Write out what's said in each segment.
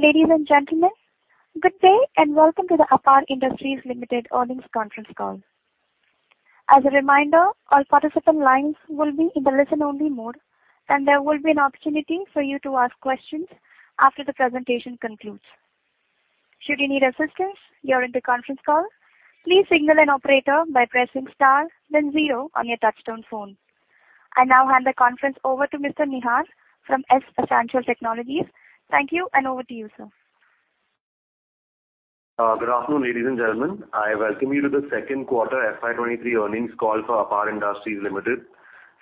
Ladies and gentlemen, good day and welcome to the APAR Industries Limited earnings conference call. As a reminder, all participant lines will be in the listen only mode, and there will be an opportunity for you to ask questions after the presentation concludes. Should you need assistance during the conference call, please signal an operator by pressing star then zero on your touchtone phone. I now hand the conference over to Mr. Nihar from SGA. Thank you and over to you, sir. Good afternoon, ladies and gentlemen. I welcome you to the second quarter FY 2023 earnings call for APAR Industries Limited.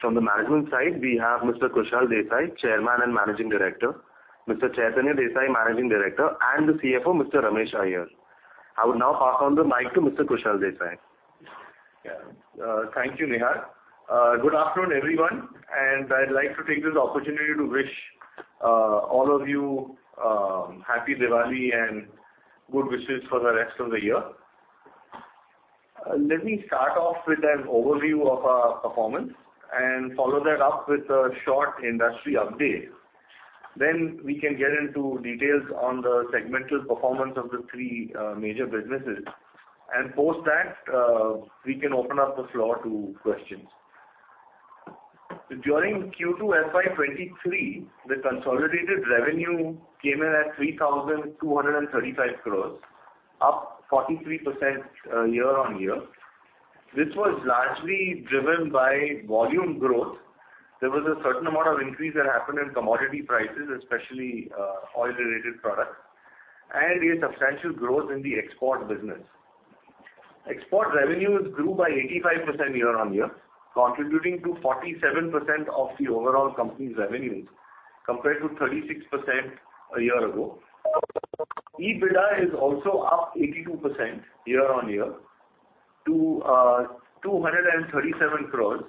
From the management side, we have Mr. Kushal Desai, Chairman and Managing Director, Mr. Chaitanya Desai, Managing Director, and the CFO, Mr. Ramesh Iyer. I would now pass on the mic to Mr. Kushal Desai. Yeah. Thank you, Nihar. Good afternoon, everyone, and I'd like to take this opportunity to wish all of you Happy Diwali and good wishes for the rest of the year. Let me start off with an overview of our performance and follow that up with a short industry update. Then we can get into details on the segmental performance of the three major businesses, and post that, we can open up the floor to questions. During Q2 FY 2023, the consolidated revenue came in at 3,235 crores, up 43% year-on-year, which was largely driven by volume growth. There was a certain amount of increase that happened in commodity prices, especially oil-related products, and a substantial growth in the export business. Export revenues grew by 85% year-on-year, contributing to 47% of the overall company's revenues compared to 36% a year ago. EBITDA is also up 82% year-on-year to 237 crores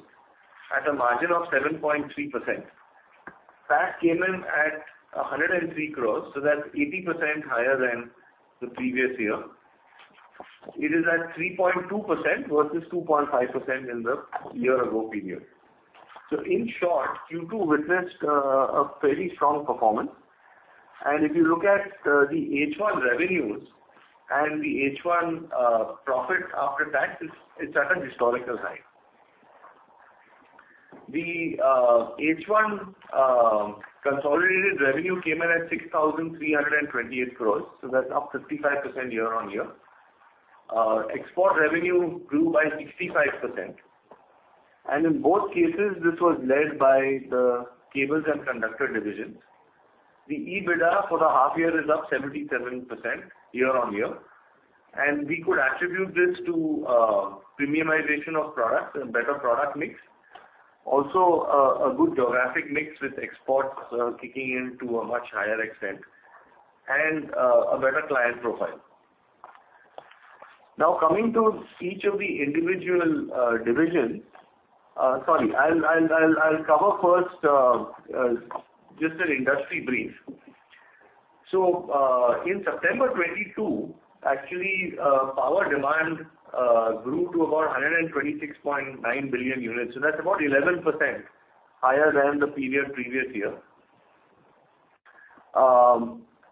at a margin of 7.3%. PAT came in at 103 crores, so that's 80% higher than the previous year. It is at 3.2% versus 2.5% in the year ago period. In short, Q2 witnessed a fairly strong performance. If you look at the H1 revenues and the H1 profit after tax, it's at an historical high. The H1 consolidated revenue came in at 6,328 crores, so that's up 55% year-on-year. Export revenue grew by 65%. In both cases, this was led by the cables and conductor divisions. The EBITDA for the half year is up 77% year-on-year, and we could attribute this to premiumization of products and better product mix. A good geographic mix with exports kicking in to a much higher extent and a better client profile. Now, coming to each of the individual divisions. Sorry, I'll cover first just an industry brief. In September 2022, actually, power demand grew to about 126.9 billion units, so that's about 11% higher than the period previous year.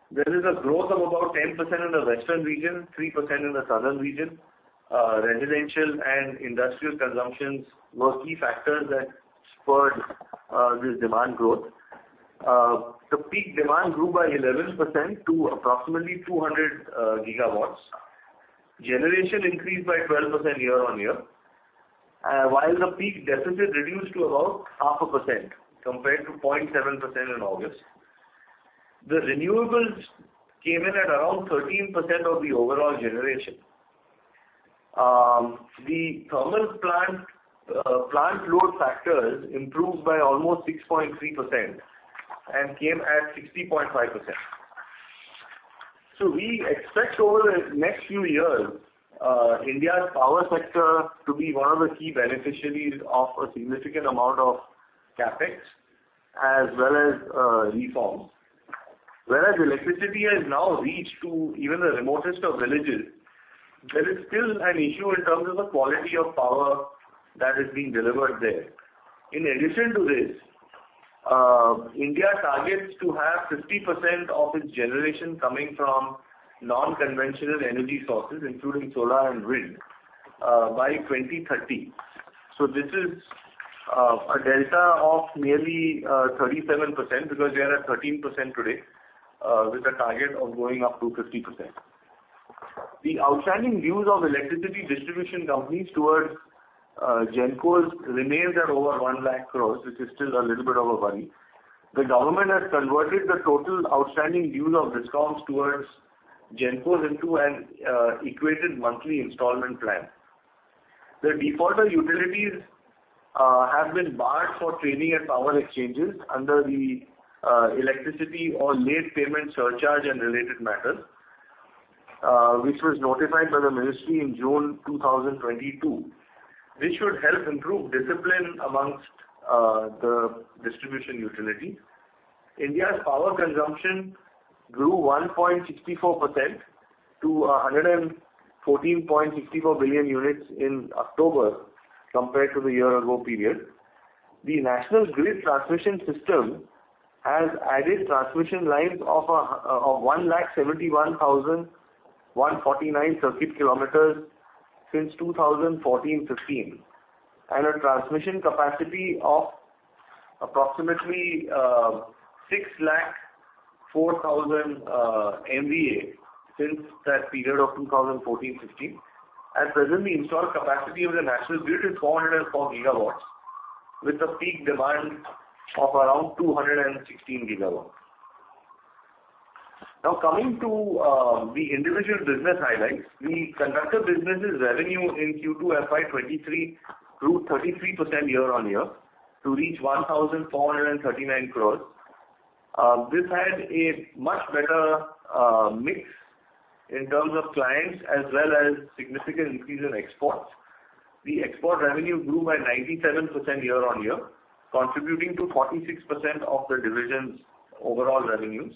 There is a growth of about 10% in the western region, 3% in the southern region. Residential and industrial consumptions were key factors that spurred this demand growth. The peak demand grew by 11% to approximately 200 GW. Generation increased by 12% year-on-year, while the peak deficit reduced to about 0.5% compared to 0.7% in August. The renewables came in at around 13% of the overall generation. The thermal plant load factors improved by almost 6.3% and came at 60.5%. We expect over the next few years, India's power sector to be one of the key beneficiaries of a significant amount of CapEx as well as reforms. Whereas electricity has now reached to even the remotest of villages, there is still an issue in terms of the quality of power that is being delivered there. In addition to this, India targets to have 50% of its generation coming from non-conventional energy sources, including solar and wind, by 2030. This is a delta of nearly 37% because we are at 13% today, with a target of going up to 50%. The outstanding dues of electricity distribution companies towards Gencos remains at over 1 lakh crore, which is still a little bit of a worry. The government has converted the total outstanding dues of discoms towards Gencos into an equated monthly installment plan. The defaulter utilities have been barred from trading at power exchanges under the Electricity (Late Payment Surcharge and Related Matters) Order, which was notified by the ministry in June 2022. This should help improve discipline among the distribution utility. India's power consumption grew 1.64% to 114.64 billion units in October compared to the year-ago period. The National Grid Transmission system has added transmission lines of 171,149 circuit kilometers since 2014-15, and a transmission capacity of approximately 604,000 MVA since that period of 2014-2015. As presented, the installed capacity of the National Grid is 404 GW, with a peak demand of around 216 GW. Now coming to the individual business highlights. The conductor business' revenue in Q2 FY 2023 grew 33% year-on-year to reach 1,439 crores. This had a much better mix in terms of clients as well as significant increase in exports. The export revenue grew by 97% year-on-year, contributing to 46% of the division's overall revenues.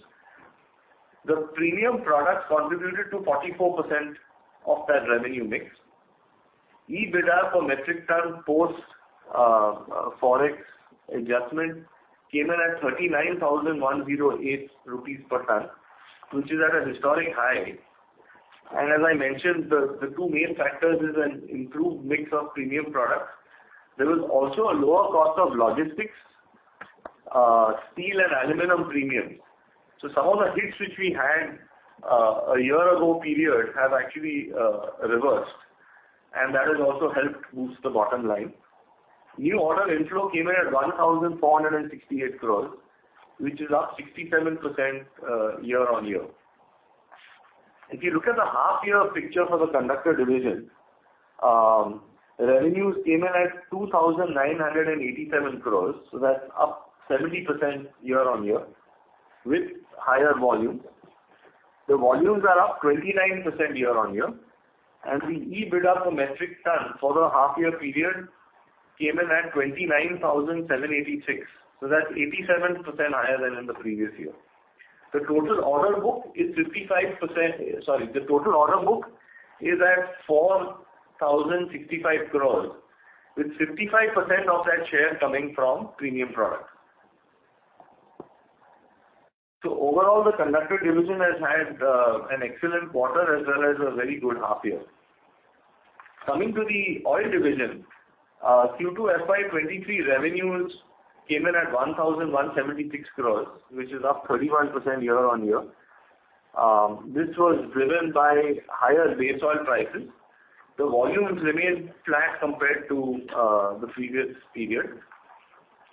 The premium products contributed to 44% of that revenue mix. EBITDA per metric ton post Forex adjustment came in at 39,108 rupees per ton, which is at a historic high. As I mentioned, the two main factors is an improved mix of premium products. There was also a lower cost of logistics, steel and aluminum premiums. Some of the hits which we had a year-ago period have actually reversed, and that has also helped boost the bottom line. New order inflow came in at 1,468 crores, which is up 67% year-on-year. If you look at the half year picture for the conductor division, revenues came in at 2,987 crores, that's up 70% year-on-year with higher volumes. The volumes are up 29% year-on-year, and the EBITDA per metric ton for the half year period came in at 29,786. That's 87% higher than in the previous year. The total order book is at 4,065 crores, with 55% of that share coming from premium products. Overall, the conductor division has had an excellent quarter as well as a very good half year. Coming to the oil division, Q2 FY 2023 revenues came in at 1,176 crores, which is up 31% year-on-year. This was driven by higher base oil prices. The volumes remained flat compared to the previous period.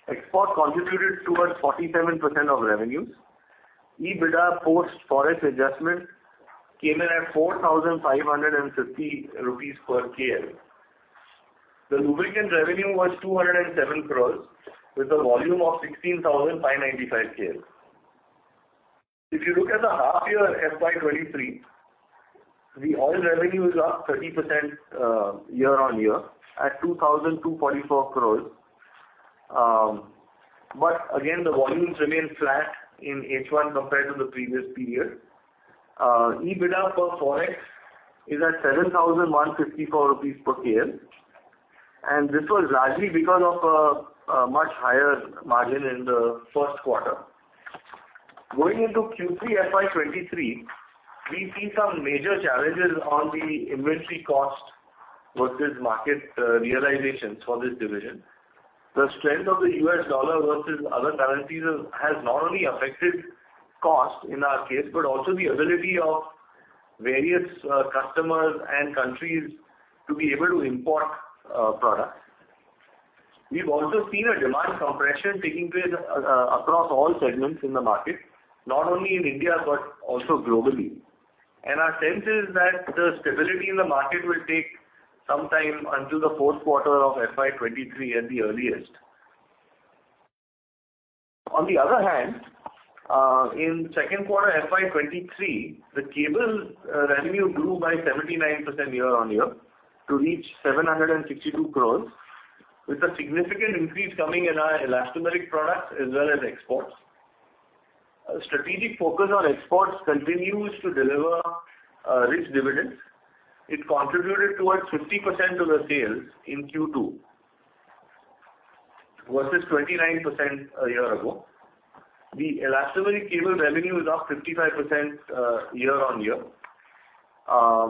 Export contributed towards 47% of revenues. EBITDA post-Forex adjustment came in at 4,550 rupees per KL. The lubricants revenue was 207 crores with a volume of 16,595 KL. If you look at the half year FY 2023, the oil revenue is up 30% year-on-year at 2,244 crores. Again, the volumes remain flat in H1 compared to the previous period. EBITDA for Forex is at 7,154 rupees per KL, and this was largely because of a much higher margin in the first quarter. Going into Q3 FY 2023, we see some major challenges on the inventory cost versus market realizations for this division. The strength of the U.S. dollar versus other currencies has not only affected cost in our case, but also the ability of various customers and countries to be able to import products. We've also seen a demand compression taking place across all segments in the market, not only in India but also globally. Our sense is that the stability in the market will take some time until the fourth quarter of FY 2023 at the earliest. On the other hand, in second quarter FY 2023, the cable revenue grew by 79% year-on-year to reach 762 crore, with a significant increase coming in our elastomeric products as well as exports. A strategic focus on exports continues to deliver rich dividends. It contributed towards 50% of the sales in Q2 versus 29% a year ago. The elastomeric cable revenue is up 55%, year-on-year.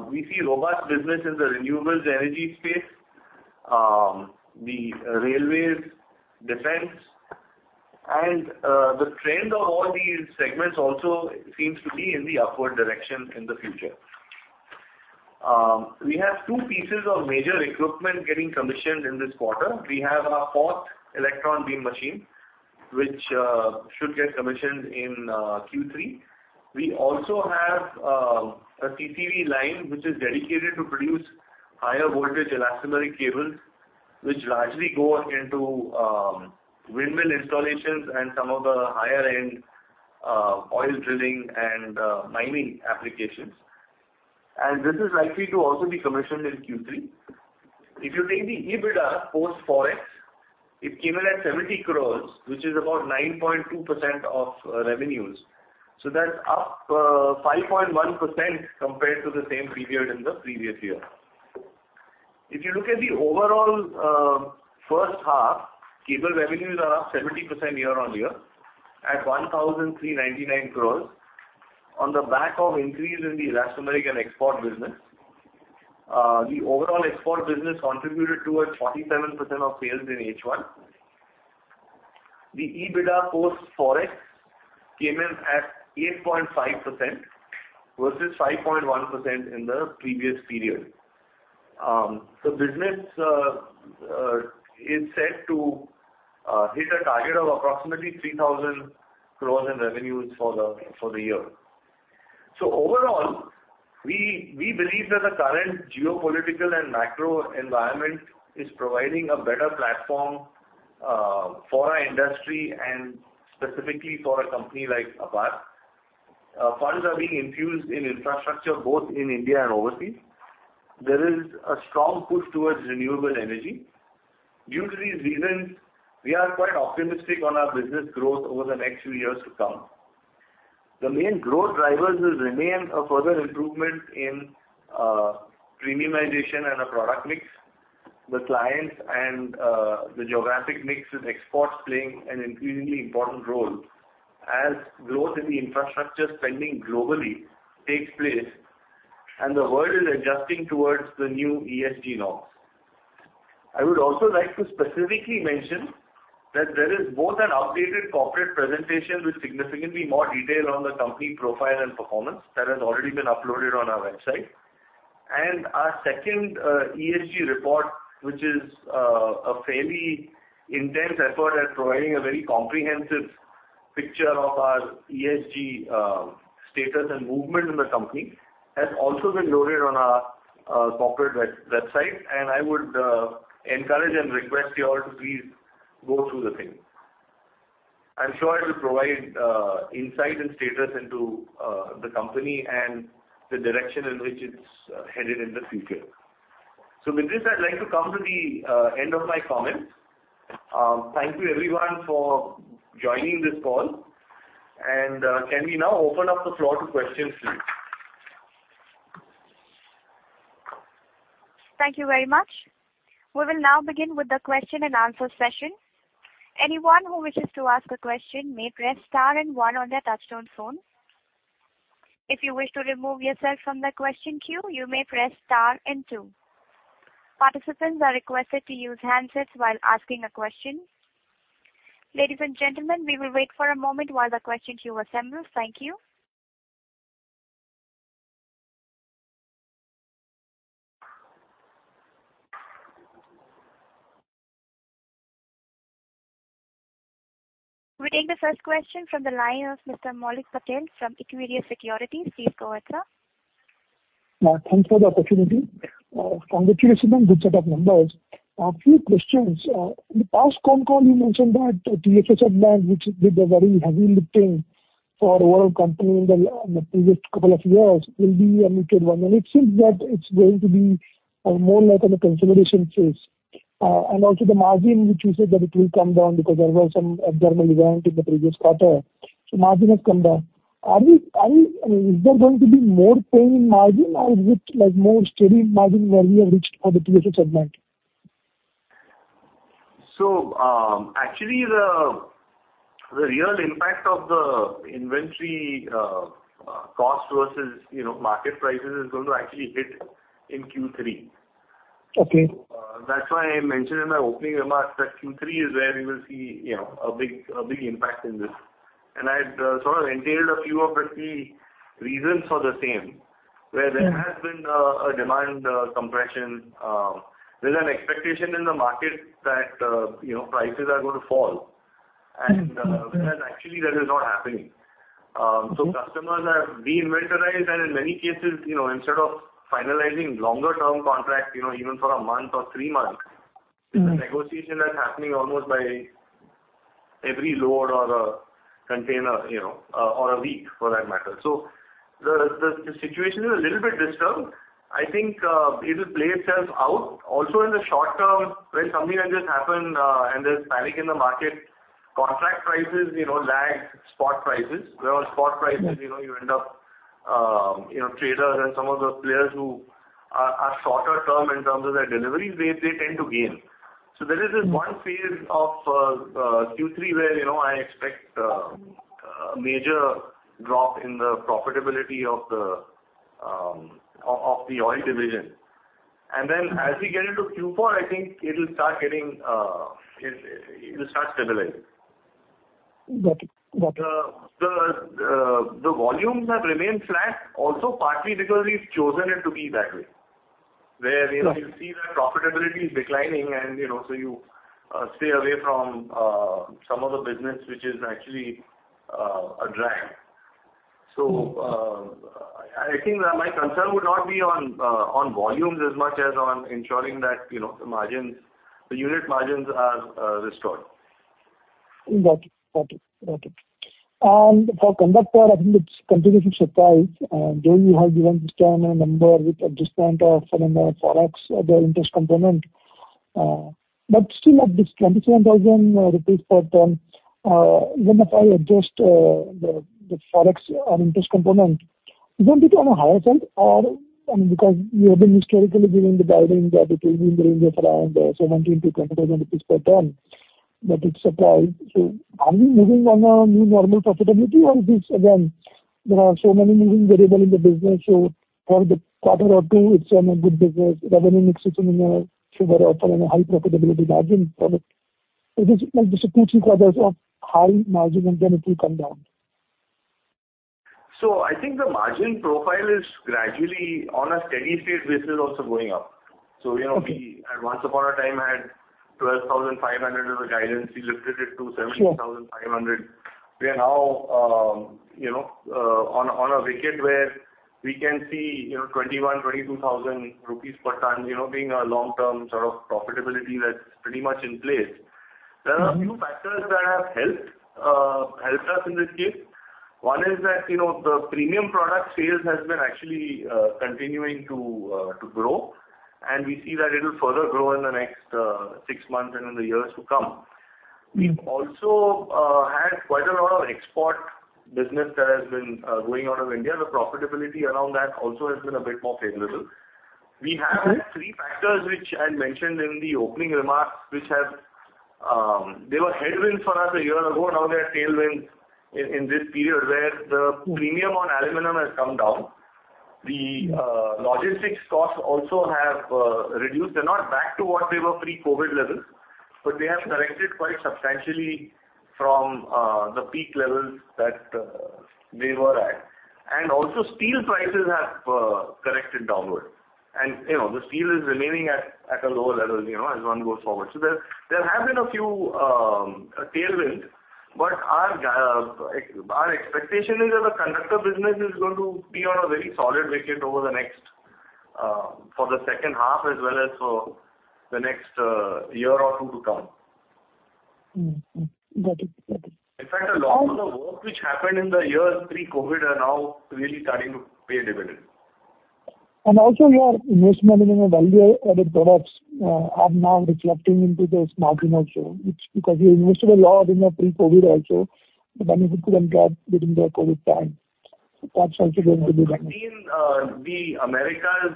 We see robust business in the renewable energy space, the railways, defense, and the trend of all these segments also seems to be in the upward direction in the future. We have two pieces of major equipment getting commissioned in this quarter. We have our fourth electron beam machine, which should get commissioned in Q3. We also have a CCV line which is dedicated to produce higher voltage elastomeric cables, which largely go into windmill installations and some of the higher end oil drilling and mining applications. This is likely to also be commissioned in Q3. If you take the EBITDA post-Forex, it came in at 70 crores, which is about 9.2% of revenues. That's up 5.1% compared to the same period in the previous year. If you look at the overall first half, cable revenues are up 70% year-on-year at 1,399 crores on the back of increase in the last mile and export business. The overall export business contributed towards 47% of sales in H1. The EBITDA post Forex came in at 8.5% versus 5.1% in the previous period. The business is set to hit a target of approximately 3,000 crores in revenues for the year. Overall, we believe that the current geopolitical and macro environment is providing a better platform for our industry and specifically for a company like APAR. Funds are being infused in infrastructure, both in India and overseas. There is a strong push towards renewable energy. Due to these reasons, we are quite optimistic on our business growth over the next few years to come. The main growth drivers will remain a further improvement in premiumization and a product mix. The clients and the geographic mix with exports playing an increasingly important role as growth in the infrastructure spending globally takes place and the world is adjusting towards the new ESG norms. I would also like to specifically mention that there is both an updated corporate presentation with significantly more detail on the company profile and performance that has already been uploaded on our website. Our second ESG report, which is a fairly intense effort at providing a very comprehensive picture of our ESG status and movement in the company, has also been loaded on our corporate website, and I would encourage and request you all to please go through the same. I'm sure it will provide insight and status into the company and the direction in which it's headed in the future. With this, I'd like to come to the end of my comments. Thank you everyone for joining this call. Can we now open up the floor to questions, please? Thank you very much. We will now begin with the question and answer session. Anyone who wishes to ask a question may press star and one on their touchtone phone. If you wish to remove yourself from the question queue, you may press star and two. Participants are requested to use handsets while asking a question. Ladies and gentlemen, we will wait for a moment while the question queue assembles. Thank you. We take the first question from the line of Mr. Maulik Patel from Equirus Securities. Please go ahead, sir. Thanks for the opportunity. Congratulations on good set of numbers. A few questions. In the past conf call you mentioned that transformer oil, which did a very heavy lifting for the whole company in the previous couple of years will be a muted one. It seems that it's going to be more like on a consolidation phase. Also the margin, which you said that it will come down because there was some abnormal event in the previous quarter, so margin has come down. I mean, is there going to be more pain in margin or is it like more steady margin where we have reached on the transformer oil? Actually, the real impact of the inventory cost versus, you know, market prices is going to actually hit in Q3. Okay. That's why I mentioned in my opening remarks that Q3 is where you will see, you know, a big impact in this. I'd sort of outlined a few of the key reasons for the same, where there has been a demand compression. There's an expectation in the market that, you know, prices are going to fall. Mm-hmm. Whereas actually that is not happening. Customers have reinventorized and in many cases, you know, instead of finalizing longer term contracts, you know, even for a month or three months. Mm-hmm. The negotiations are happening almost by every load or a container, you know, or a week for that matter. The situation is a little bit disturbed. I think it'll play itself out. Also in the short term when something like this happen and there's panic in the market, contract prices, you know, lag spot prices. Whereas spot prices, you know, you end up you know traders and some of the players who are shorter term in terms of their deliveries, they tend to gain. There is this one phase of Q3 where you know I expect major drop in the profitability of the oil division. Then as we get into Q4, I think it'll start stabilizing. Got it. The volumes have remained flat also partly because we've chosen it to be that way. Where, you know- Right. You see that profitability is declining and, you know, so you stay away from some of the business which is actually a drag. I think my concern would not be on volumes as much as on ensuring that, you know, the margins, the unit margins are restored. Got it. For conductor, I think it's continuous surprise. You have given this time a number with a discount of, you know, forex, the interest component, but still at this 27,000 rupees per ton, even if I adjust, the forex and interest component, isn't it on a higher side? Or, I mean, because you have been historically giving the guidance that it will be in the range of around 17,000-20,000 rupees per ton, but it's a surprise. Are we moving on a new normal profitability or is this again, there are so many moving variables in the business, so for the quarter or two it's on a good business. Revenue mix is in favor of having a high profitability margin product. Is this like the two, three quarters of high margin and then it will come down? I think the margin profile is gradually on a steady state basis also going up. Okay. You know, we once upon a time had 12,500 as a guidance. We lifted it to 17,500. Sure. We are now, you know, on a wicket where we can see, you know, 21,000-22,000 rupees per ton, you know, being a long term sort of profitability that's pretty much in place. Mm-hmm. There are a few factors that have helped us in this case. One is that, you know, the premium product sales has been actually continuing to grow, and we see that it'll further grow in the next six months and in the years to come. Mm-hmm. We've also had quite a lot of export business that has been going out of India. The profitability around that also has been a bit more favorable. Mm-hmm. We have had three factors which I had mentioned in the opening remarks, which have. They were headwinds for us a year ago. Now they are tailwinds in this period. Mm-hmm. Premium on aluminum has come down. The logistics costs also have reduced. They're not back to what they were pre-COVID levels, but they have corrected quite substantially from the peak levels that they were at. Also steel prices have corrected downward. You know, the steel is remaining at a lower level, you know, as one goes forward. There have been a few tailwinds, but our expectation is that the conductor business is going to be on a very solid wicket over the next for the second half as well as for the next year or two to come. Got it. In fact, a lot of the work which happened in the years pre-COVID are now really starting to pay dividends. Also your investment in the value-added products are now reflecting into this margin also. It's because you invested a lot in the pre-COVID also, but then you couldn't grab during the COVID time. That's also going to be- Between the Americas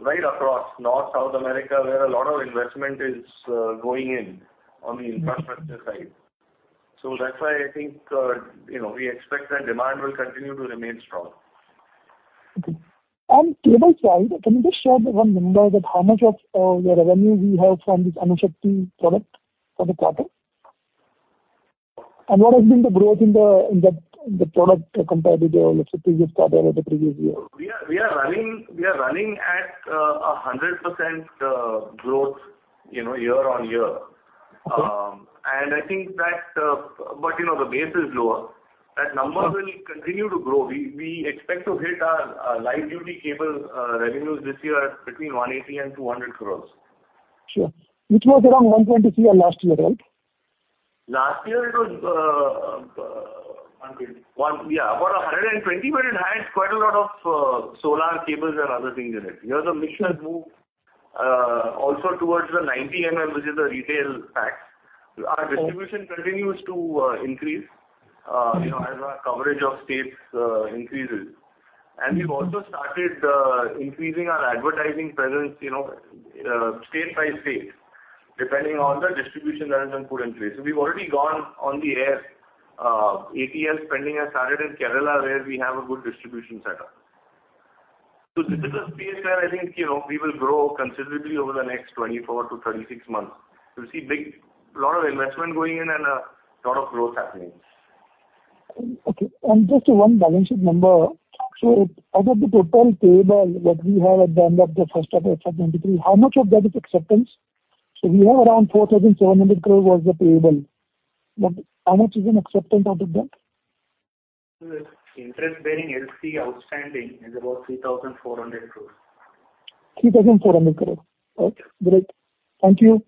right across North, South America, where a lot of investment is going in on the infrastructure side. That's why I think, you know, we expect that demand will continue to remain strong. Okay. On cable side, can you just share the one number that how much of your revenue we have from this Anushakti product for the quarter? What has been the growth in that product compared to the, let's say, previous quarter or the previous year? We are running at 100% growth, you know, year-on-year. Okay. I think that, but you know, the base is lower. Okay. That number will continue to grow. We expect to hit our light duty cable revenues this year between 180 crore and 200 crore. Sure. Which was around 123 last year, right? Last year it was. 120. Yeah. About 120, but it had quite a lot of solar cables and other things in it. Here the mix has moved also towards the 90 m, which is the retail pack. Okay. Our distribution continues to increase. Mm-hmm. You know, as our coverage of states increases. We've also started increasing our advertising presence, you know, state by state, depending on the distribution that has been put in place. We've already gone on the air. ATL spending has started in Kerala where we have a good distribution setup. This is a space where I think, you know, we will grow considerably over the next 24-36 months. You'll see big lot of investment going in and a lot of growth happening. Okay. Just one balance sheet number. Out of the total payable that we have at the end of the first quarter of 2023, how much of that is acceptance? We have around 4,700 crores was the payable, but how much is an acceptance out of that? Interest-bearing LC outstanding is about 3,400 crore. 3,400 crore. Okay, great. Thank you.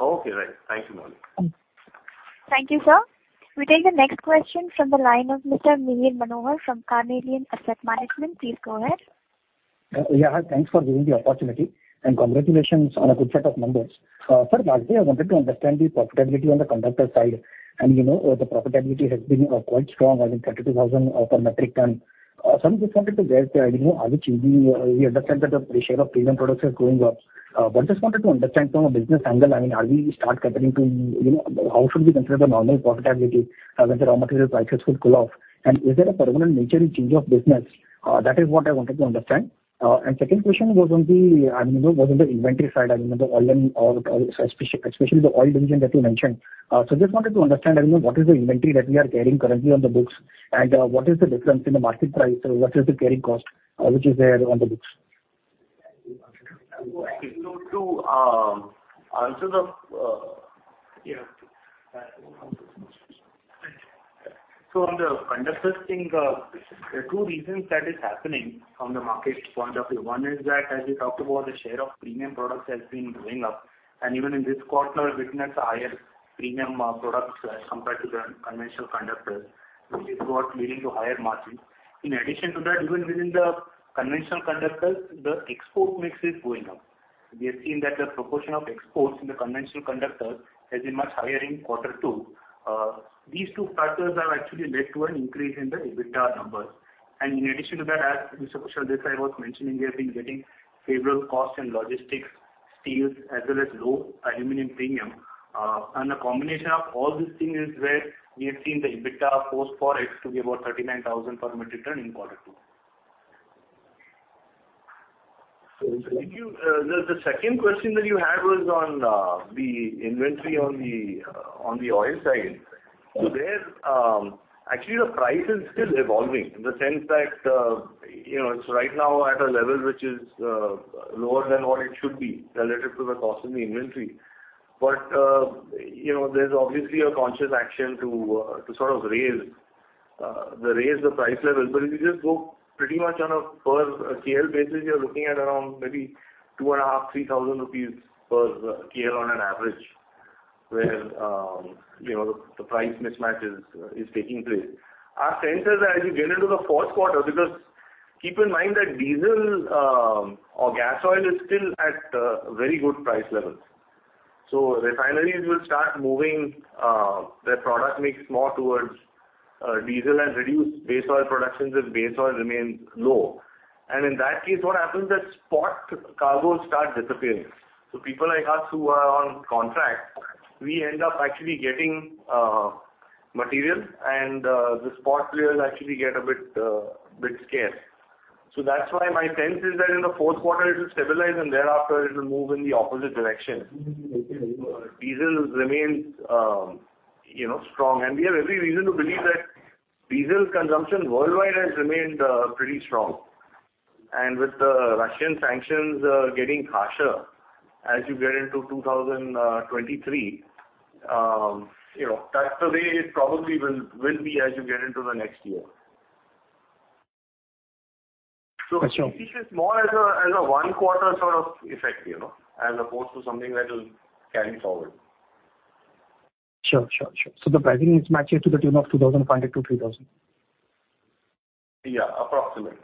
Okay, great. Thank you, Maulik. Thank you. Thank you, sir. We take the next question from the line of Mr. Mihir Manohar from Carnelian Asset Management. Please go ahead. Yeah. Thanks for giving the opportunity and congratulations on a good set of numbers. Sir, firstly I wanted to understand the profitability on the conductor side. You know, the profitability has been quite strong, I mean INR 32,000 per metric ton. So I just wanted to get, you know, we understand that the share of premium products is going up. But just wanted to understand from a business angle, I mean, are we start comparing to, you know, how should we consider the normal profitability, when the raw material prices would cool off? Is there a permanent nature in change of business? That is what I wanted to understand. Second question was on the, you know, was on the inventory side. I mean the oil or especially the oil division that you mentioned. Just wanted to understand, I mean, what is the inventory that we are carrying currently on the books, and what is the difference in the market price versus the carrying cost, which is there on the books? To answer the. Yeah. On the conductor thing, there are two reasons that is happening from the market point of view. One is that, as we talked about, the share of premium products has been going up, and even in this quarter, we're witnessing higher premium products compared to the conventional conductors, which is what's leading to higher margins. In addition to that, even within the conventional conductors, the export mix is going up. We have seen that the proportion of exports in the conventional conductors has been much higher in quarter two. These two factors have actually led to an increase in the EBITDA numbers. In addition to that, as Mr. Kushal Desai was mentioning, we have been getting favorable costs and logistics, steels, as well as low aluminum premium. A combination of all these things is where we have seen the EBITDA post Forex to be about 39,000 per metric ton in quarter two. Thank you. The second question that you had was on the inventory on the oil side. Actually, the price is still evolving in the sense that, you know, it's right now at a level which is lower than what it should be relative to the cost of the inventory. You know, there's obviously a conscious action to sort of raise the price level. If you just go pretty much on a per KL basis, you're looking at around maybe 2,500-3,000 rupees per KL on an average, where, you know, the price mismatch is taking place. Our sense is that as you get into the fourth quarter, because keep in mind that diesel or gas oil is still at very good price levels. Refineries will start moving their product mix more towards diesel and reduce base oil production as base oil remains low. In that case, what happens is spot cargos start disappearing. People like us who are on contract, we end up actually getting material, and the spot players actually get a bit scarce. That's why my sense is that in the fourth quarter it will stabilize, and thereafter it will move in the opposite direction. Diesel remains, you know, strong. We have every reason to believe that diesel consumption worldwide has remained pretty strong. With the Russian sanctions getting harsher as you get into 2023, you know, that's the way it probably will be as you get into the next year. Got you. We see this more as a one quarter sort of effect, you know, as opposed to something that will carry forward. Sure, the pricing is matching to the tune of 2,000-3,000? Yeah, approximately.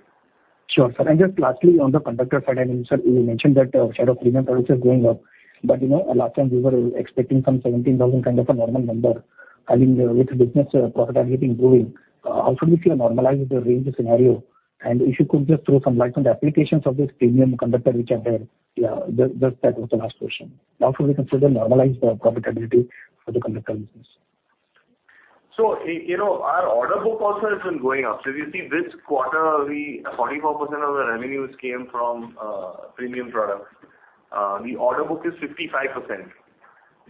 Sure. Just lastly, on the conductor side, I mean, sir, you mentioned that share of premium products is going up. You know, last time we were expecting some 17,000 kind of a normal number. I mean, with business profitability improving, how should we see a normalized range scenario? If you could just throw some light on the applications of this premium conductor which are there? Yeah, that was the last question. How should we consider normalized profitability for the conductor business? You know, our order book also has been going up. If you see this quarter, 44% of the revenues came from premium products. The order book is 55%,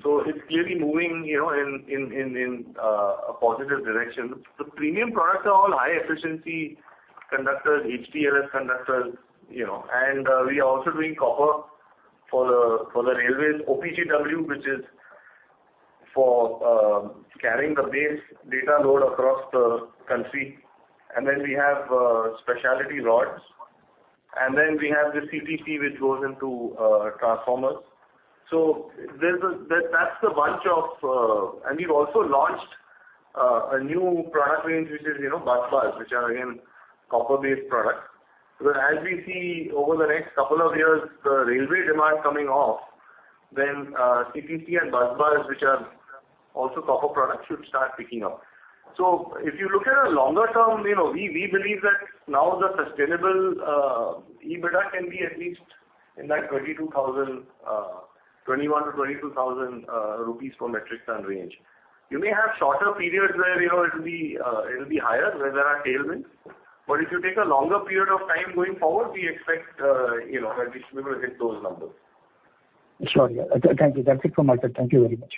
so it's clearly moving, you know, in a positive direction. The premium products are all high efficiency conductors, HTLS conductors, you know. We are also doing copper for the railways, OPGW, which is for carrying the base data load across the country. Then we have specialty rods, and then we have the CTC which goes into transformers. That's the bunch of. We've also launched a new product range, which is, you know, busbars, which are again copper-based products. As we see over the next couple of years the railway demand coming off, then CTC and busbars, which are also copper products, should start picking up. If you look at a longer term, you know, we believe that now the sustainable EBITDA can be at least in that 21,000-22,000 per metric ton range. You may have shorter periods where, you know, it will be higher where there are tailwinds. If you take a longer period of time going forward, we expect, you know, at least we will hit those numbers. Sure. Yeah. Thank you. That's it from my side. Thank you very much.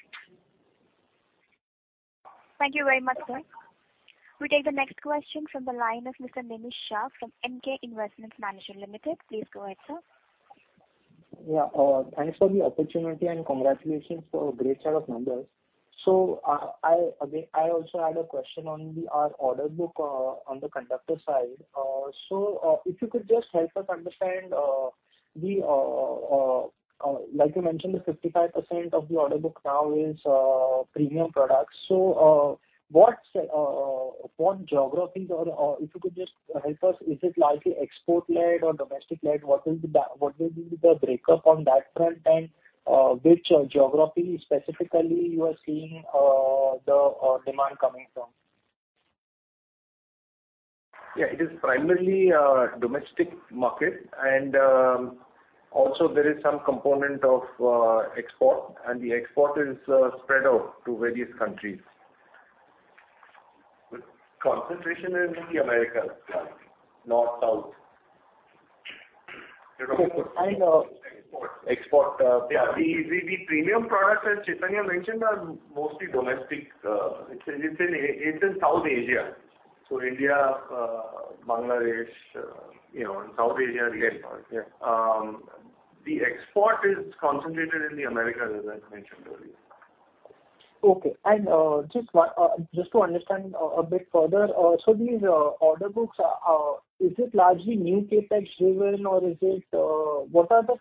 Thank you very much, sir. We take the next question from the line of Mr. Nemish Shah from Emkay Investment Managers Limited. Please go ahead, sir. Yeah. Thanks for the opportunity, and congratulations for a great set of numbers. I again also had a question on the order book on the conductor side. If you could just help us understand, like you mentioned, the 55% of the order book now is premium products. What geographies or if you could just help us, is it largely export-led or domestic-led? What will be the breakup on that front? And which geography specifically you are seeing the demand coming from? Yeah, it is primarily domestic market, and also there is some component of export, and the export is spread out to various countries. Concentration is in the Americas, largely. North, South. And, uh- Export. Export, yeah. The premium products, as Chaitanya mentioned, are mostly domestic. It's in South Asia, so India, Bangladesh, you know, in South Asia region. Yeah. Yeah. The export is concentrated in the Americas, as I mentioned earlier. Okay. Just to understand a bit further, so these order books are. Is it largely new CapEx driven or is it. What are the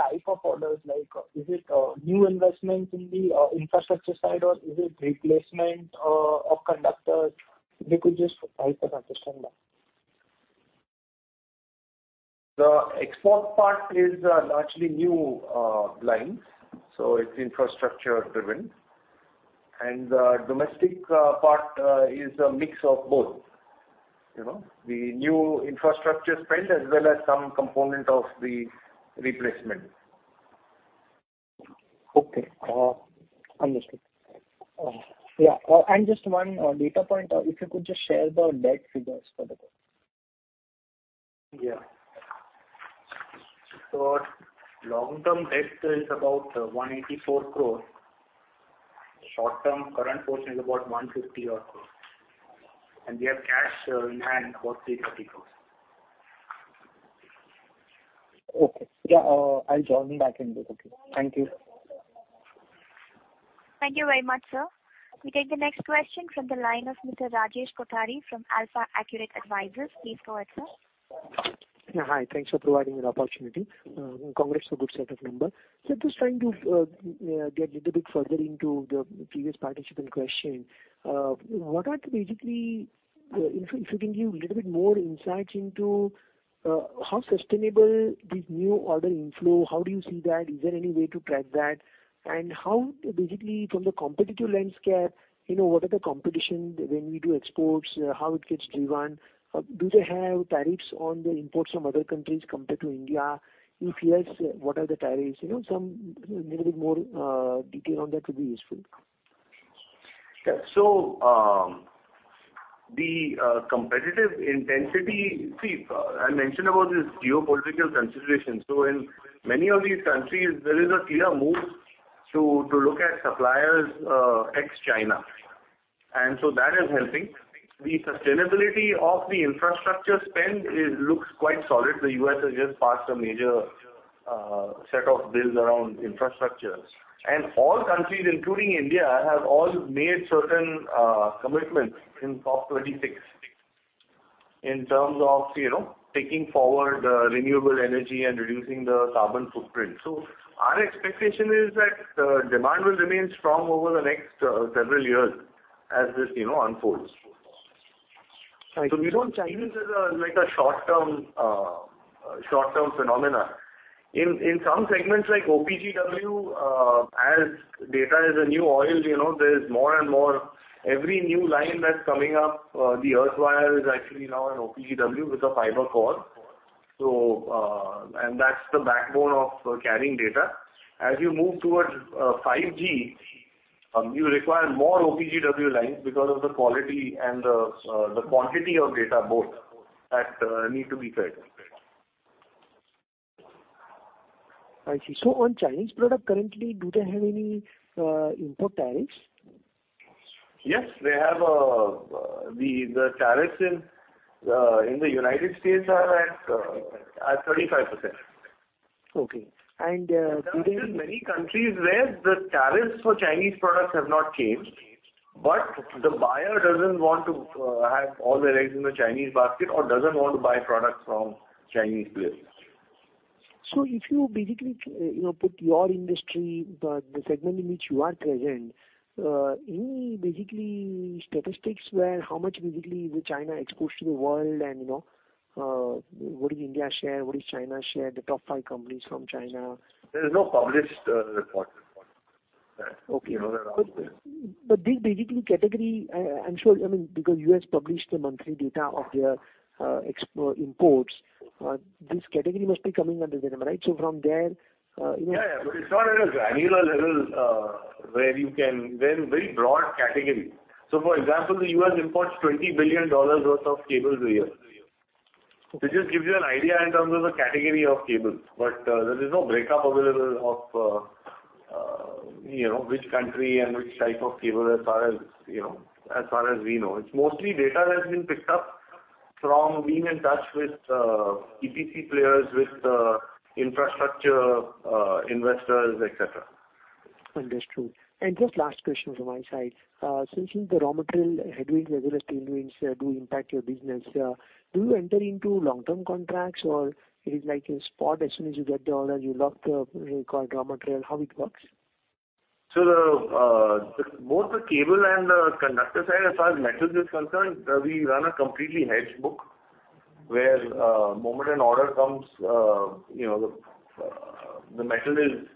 type of orders? Like, is it new investments in the infrastructure side or is it replacement of conductors? If you could just help us understand that. The export part is largely new lines, so it's infrastructure-driven. The domestic part is a mix of both, you know. The new infrastructure spend as well as some component of the replacement. Okay. Understood. Yeah, and just one data point, if you could just share the debt figures for the group. Yeah. Long-term debt is about 184 crore. Short-term current portion is about 150 odd crore. We have cash in hand about 350 crores. Okay. Yeah, I'll join back in queue. Thank you. Thank you very much, sir. We take the next question from the line of Mr. Rajesh Kothari from AlfAccurate Advisors. Please go ahead, sir. Yeah, hi. Thanks for providing me the opportunity. Congrats for good set of number. Just trying to get a little bit further into the previous participant question. What are basically if you can give little bit more insight into how sustainable this new order inflow, how do you see that? Is there any way to track that? How basically from the competitive landscape, you know, what are the competition when we do exports, how it gets driven? Do they have tariffs on the imports from other countries compared to India? If yes, what are the tariffs? Some little bit more detail on that would be useful. I mentioned about this geopolitical considerations. In many of these countries there is a clear move to look at suppliers ex-China. That is helping. The sustainability of the infrastructure spend looks quite solid. The U.S. has just passed a major set of bills around infrastructure. All countries, including India, have made certain commitments in COP26 in terms of, you know, taking forward renewable energy and reducing the carbon footprint. Our expectation is that demand will remain strong over the next several years as this, you know, unfolds. Right. We don't see this as a like a short-term phenomenon. In some segments like OPGW, as data is a new oil, you know, there is more and more. Every new line that's coming up, the earth wire is actually now an OPGW with a fiber core, and that's the backbone of carrying data. As you move towards 5G, you require more OPGW lines because of the quality and the quantity of data both that need to be fed. I see. On Chinese product currently, do they have any import tariffs? Yes, they have the tariffs in the United States are at 35%. Okay. Do they- There are still many countries where the tariffs for Chinese products have not changed, but the buyer doesn't want to have all their eggs in a Chinese basket or doesn't want to buy products from Chinese players. If you basically, you know, put your industry, the segment in which you are present, any basically statistics where how much basically China exports to the world and, you know, what is India's share, what is China's share, the top five companies from China? There is no published report for that. Okay. You know that. This basic category, I'm sure. I mean, because the U.S. published the monthly data of their exports and imports. This category must be coming under them, right? From there, you know- Yeah, yeah. It's not at a granular level. They're very broad category. For example, the U.S. imports $20 billion worth of cables a year, which just gives you an idea in terms of the category of cables. There is no breakup available of, you know, which country and which type of cable as far as, you know, as far as we know. It's mostly data that has been picked up from being in touch with EPC players, with infrastructure investors, et cetera. Understood. Just last question from my side. Since in the raw material headwinds, whether it's tailwinds, do impact your business, do you enter into long-term contracts or it is like a spot as soon as you get the order you lock the, you know, all raw material? How it works? Both the cable and the conductor side, as far as metal is concerned, we run a completely hedged book where the moment an order comes, you know, the metal is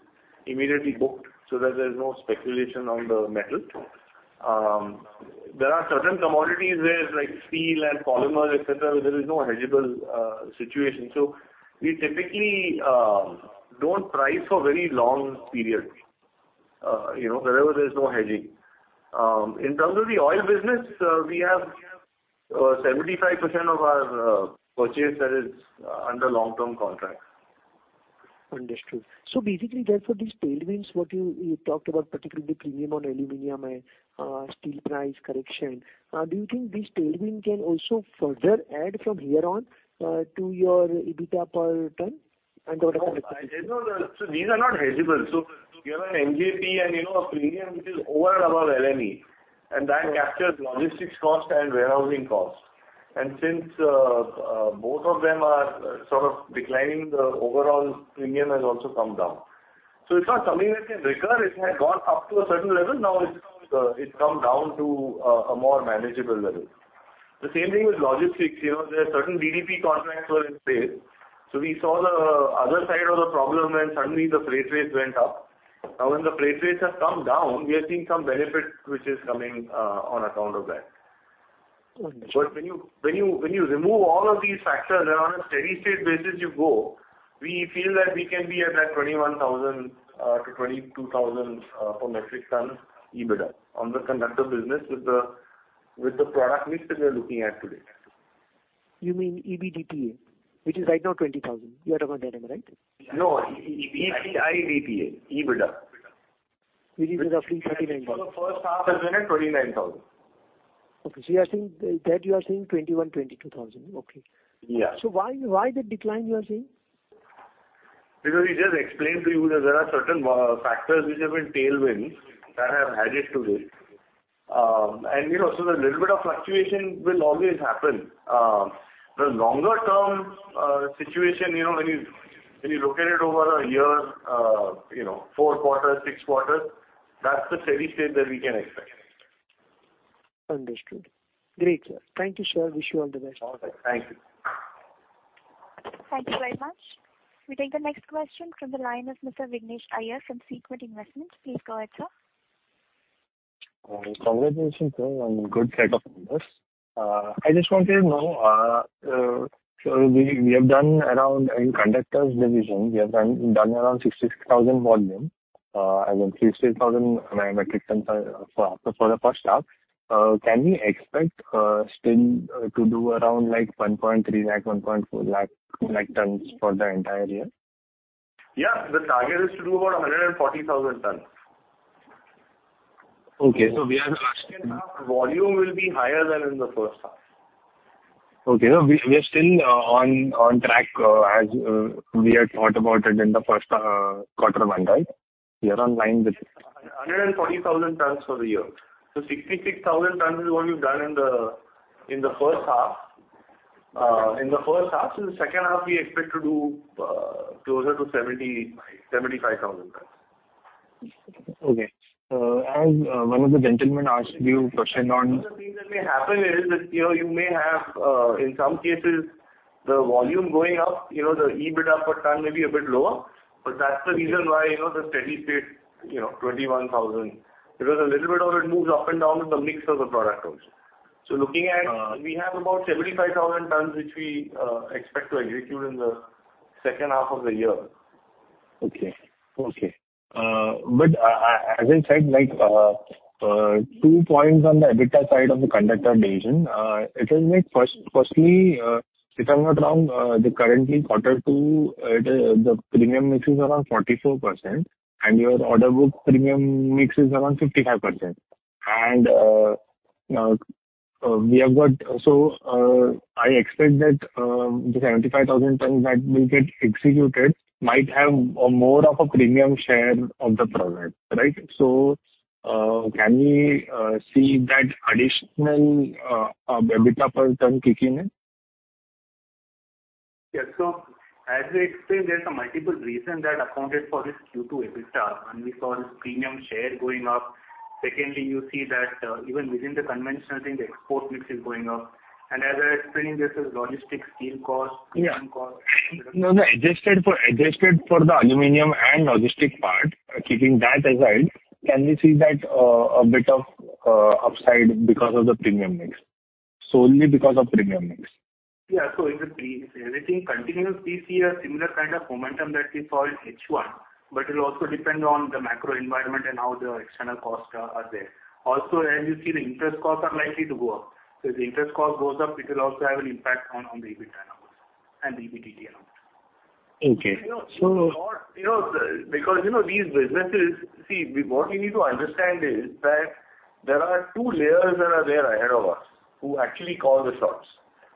immediately booked so that there's no speculation on the metal. There are certain commodities where like steel and polymer, et cetera, there is no hedgeable situation. We typically don't price for very long period, you know, wherever there's no hedging. In terms of the oil business, we have 75% of our purchase that is under long-term contract. Understood. Basically therefore these tailwinds what you talked about, particularly the premium on aluminum and steel price correction, do you think this tailwind can also further add from here on to your EBITDA per ton and total? You know these are not hedgeable. You have an MJP and, you know, a premium which is over and above LME, and that captures logistics cost and warehousing costs. Since both of them are sort of declining, the overall premium has also come down. It's not something that can recur. It had gone up to a certain level. Now it's come down to a more manageable level. The same thing with logistics. You know, there are certain DDP contracts were in place. We saw the other side of the problem, when suddenly the freight rates went up. Now when the freight rates have come down, we are seeing some benefit which is coming on account of that. Understood. When you remove all of these factors and on a steady-state basis you go, we feel that we can be at that 21,000-22,000 per metric ton EBITDA on the conductor business with the product mix that we are looking at today. You mean EBITDA, which is right now 20,000. You are talking that number, right? No, EBITDA. Which is roughly 39,000. The first half was at 29 thousand. Okay. You are seeing 21,000-22,000. Okay. Yeah. Why the decline you are seeing? Because we just explained to you that there are certain, factors which have been tailwinds that have added to this. You know, so a little bit of fluctuation will always happen. The longer term, situation, you know, when you look at it over a year, you know, four quarters, six quarters, that's the steady state that we can expect. Understood. Great, sir. Thank you, sir. Wish you all the best. All right. Thank you. Thank you very much. We take the next question from the line of Mr. Vignesh Iyer from Sequent Investments. Please go ahead, sir. Congratulations, sir, on good set of numbers. I just wanted to know, so we have done around in conductors division, we have done around 66,000 volume, I mean, 66,000 metric tons for the first half. Can we expect still to do around like 1.3 lakh-1.4 lakh tons for the entire year? Yeah. The target is to do about 140,000 tons. Okay. Second half volume will be higher than in the first half. Okay. We are still on track as we had thought about it in the first quarter mandate. We are online with it. 140,000 tons for the year. 66,000 tons is what we've done in the first half. The second half we expect to do closer to 75,000 tons. Okay. As one of the gentlemen asked you a question on The thing that may happen is that, you know, you may have, in some cases the volume going up, you know, the EBITDA per ton may be a bit lower, but that's the reason why, you know, the steady state, you know, 21,000, because a little bit of it moves up and down with the mix of the product also. So looking at, we have about 75,000 tons, which we, expect to execute in the second half of the year. Okay. As I said, like, two points on the EBITDA side of the conductor division. First, if I'm not wrong, the current quarter two the premium mix is around 44% and your order book premium mix is around 55%. I expect that the 75,000 tons that will get executed might have more of a premium share of the product, right? Can we see that additional EBITDA per ton kicking in? Yeah. As we explained, there are some multiple reasons that accounted for this Q2 EBITDA. One, we saw this premium share going up. Secondly, you see that, even within the conventional thing, the export mix is going up. As I explained, there's a logistics steel cost. Yeah. Cost. No, no. Adjusted for the aluminum and logistics part, keeping that aside, can we see that a bit of upside because of the premium mix? Solely because of premium mix. Yeah. If everything continues, we see a similar kind of momentum that we saw in H1, but it'll also depend on the macro environment and how the external costs are there. Also as you see, the interest costs are likely to go up. If the interest cost goes up, it will also have an impact on the EBITDA numbers and the EBITDA numbers. Okay. You know, because you know, these businesses, see, what we need to understand is that there are two layers that are there ahead of us who actually call the shots.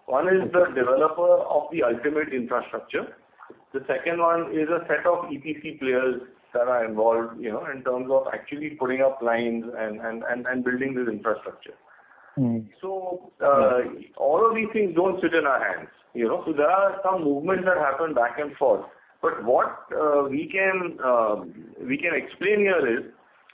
One is the developer of the ultimate infrastructure. The second one is a set of EPC players that are involved, you know, in terms of actually putting up lines and building this infrastructure. Mm-hmm. All of these things don't sit in our hands, you know. There are some movements that happen back and forth. What we can explain here is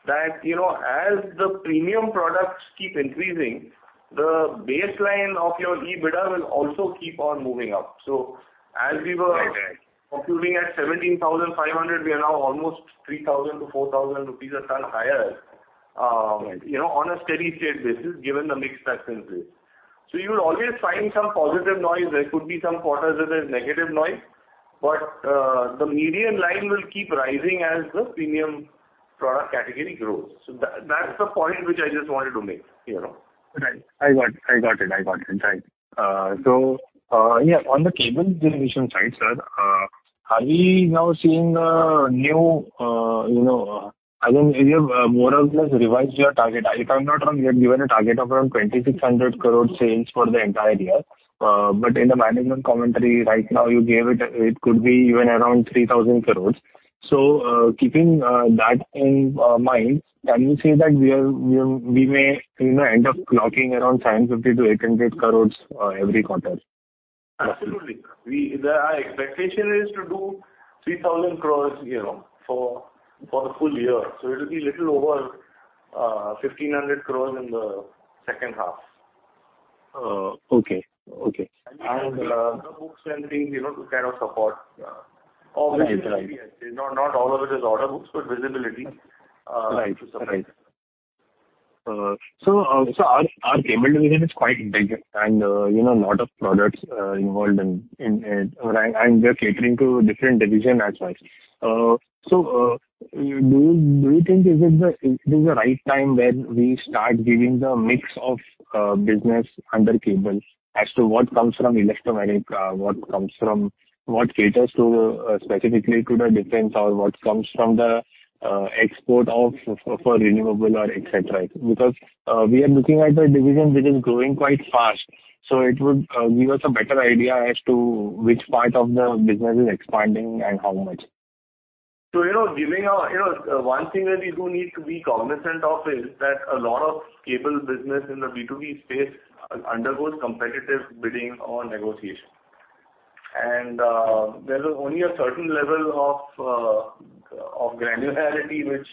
that, you know, as the premium products keep increasing, the baseline of your EBITDA will also keep on moving up. As we were Right. Right. Computing at 17,500, we are now almost 3,000-4,000 rupees a ton higher, you know, on a steady-state basis, given the mix that's in place. You'll always find some positive noise. There could be some quarters where there's negative noise, but the median line will keep rising as the premium product category grows. That, that's the point which I just wanted to make, you know. Right. I got it. Right. On the cable division side, sir, are we now seeing a new, you know, I mean, you have more or less revised your target. If I'm not wrong, you had given a target of around 2,600 crore sales for the entire year. In the management commentary right now you gave it could be even around 3,000 crores. Keeping that in mind, can we say that we may, you know, end up clocking around 750-800 crores every quarter? Absolutely. Our expectation is to do 3,000 crore, you know, for the full year. It'll be little over 1,500 crore in the second half. Okay. We have the order books and things, you know, to kind of support visibility. Oh, right. Not all of it is order books, but visibility. Right. Our cable division is quite big and, you know, lot of products involved in it. We're catering to different division as well. Do you think it is the right time when we start giving the mix of business under cable as to what comes from elastomeric, what comes from what caters to specifically to the defense or what comes from the export for renewable or et cetera? Because we are looking at a division which is growing quite fast, so it would give us a better idea as to which part of the business is expanding and how much. You know, one thing that we do need to be cognizant of is that a lot of cable business in the B2B space undergoes competitive bidding or negotiation. There's only a certain level of granularity which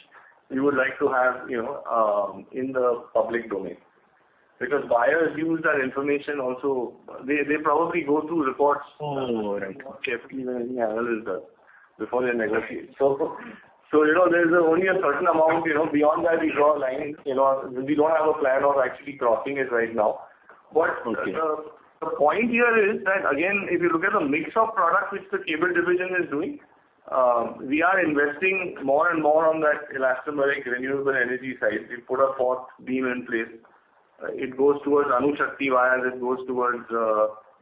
we would like to have, you know, in the public domain. Because buyers use that information also. They probably go through reports. Mm. carefully than any analyst does before they negotiate. You know, there's only a certain amount, you know, beyond that we draw a line. You know, we don't have a plan of actually crossing it right now. Okay. The point here is that again, if you look at the mix of products which the cable division is doing, we are investing more and more on that elastomeric renewable energy side. We put a fourth E-beam in place. It goes towards Anushakti wire, it goes towards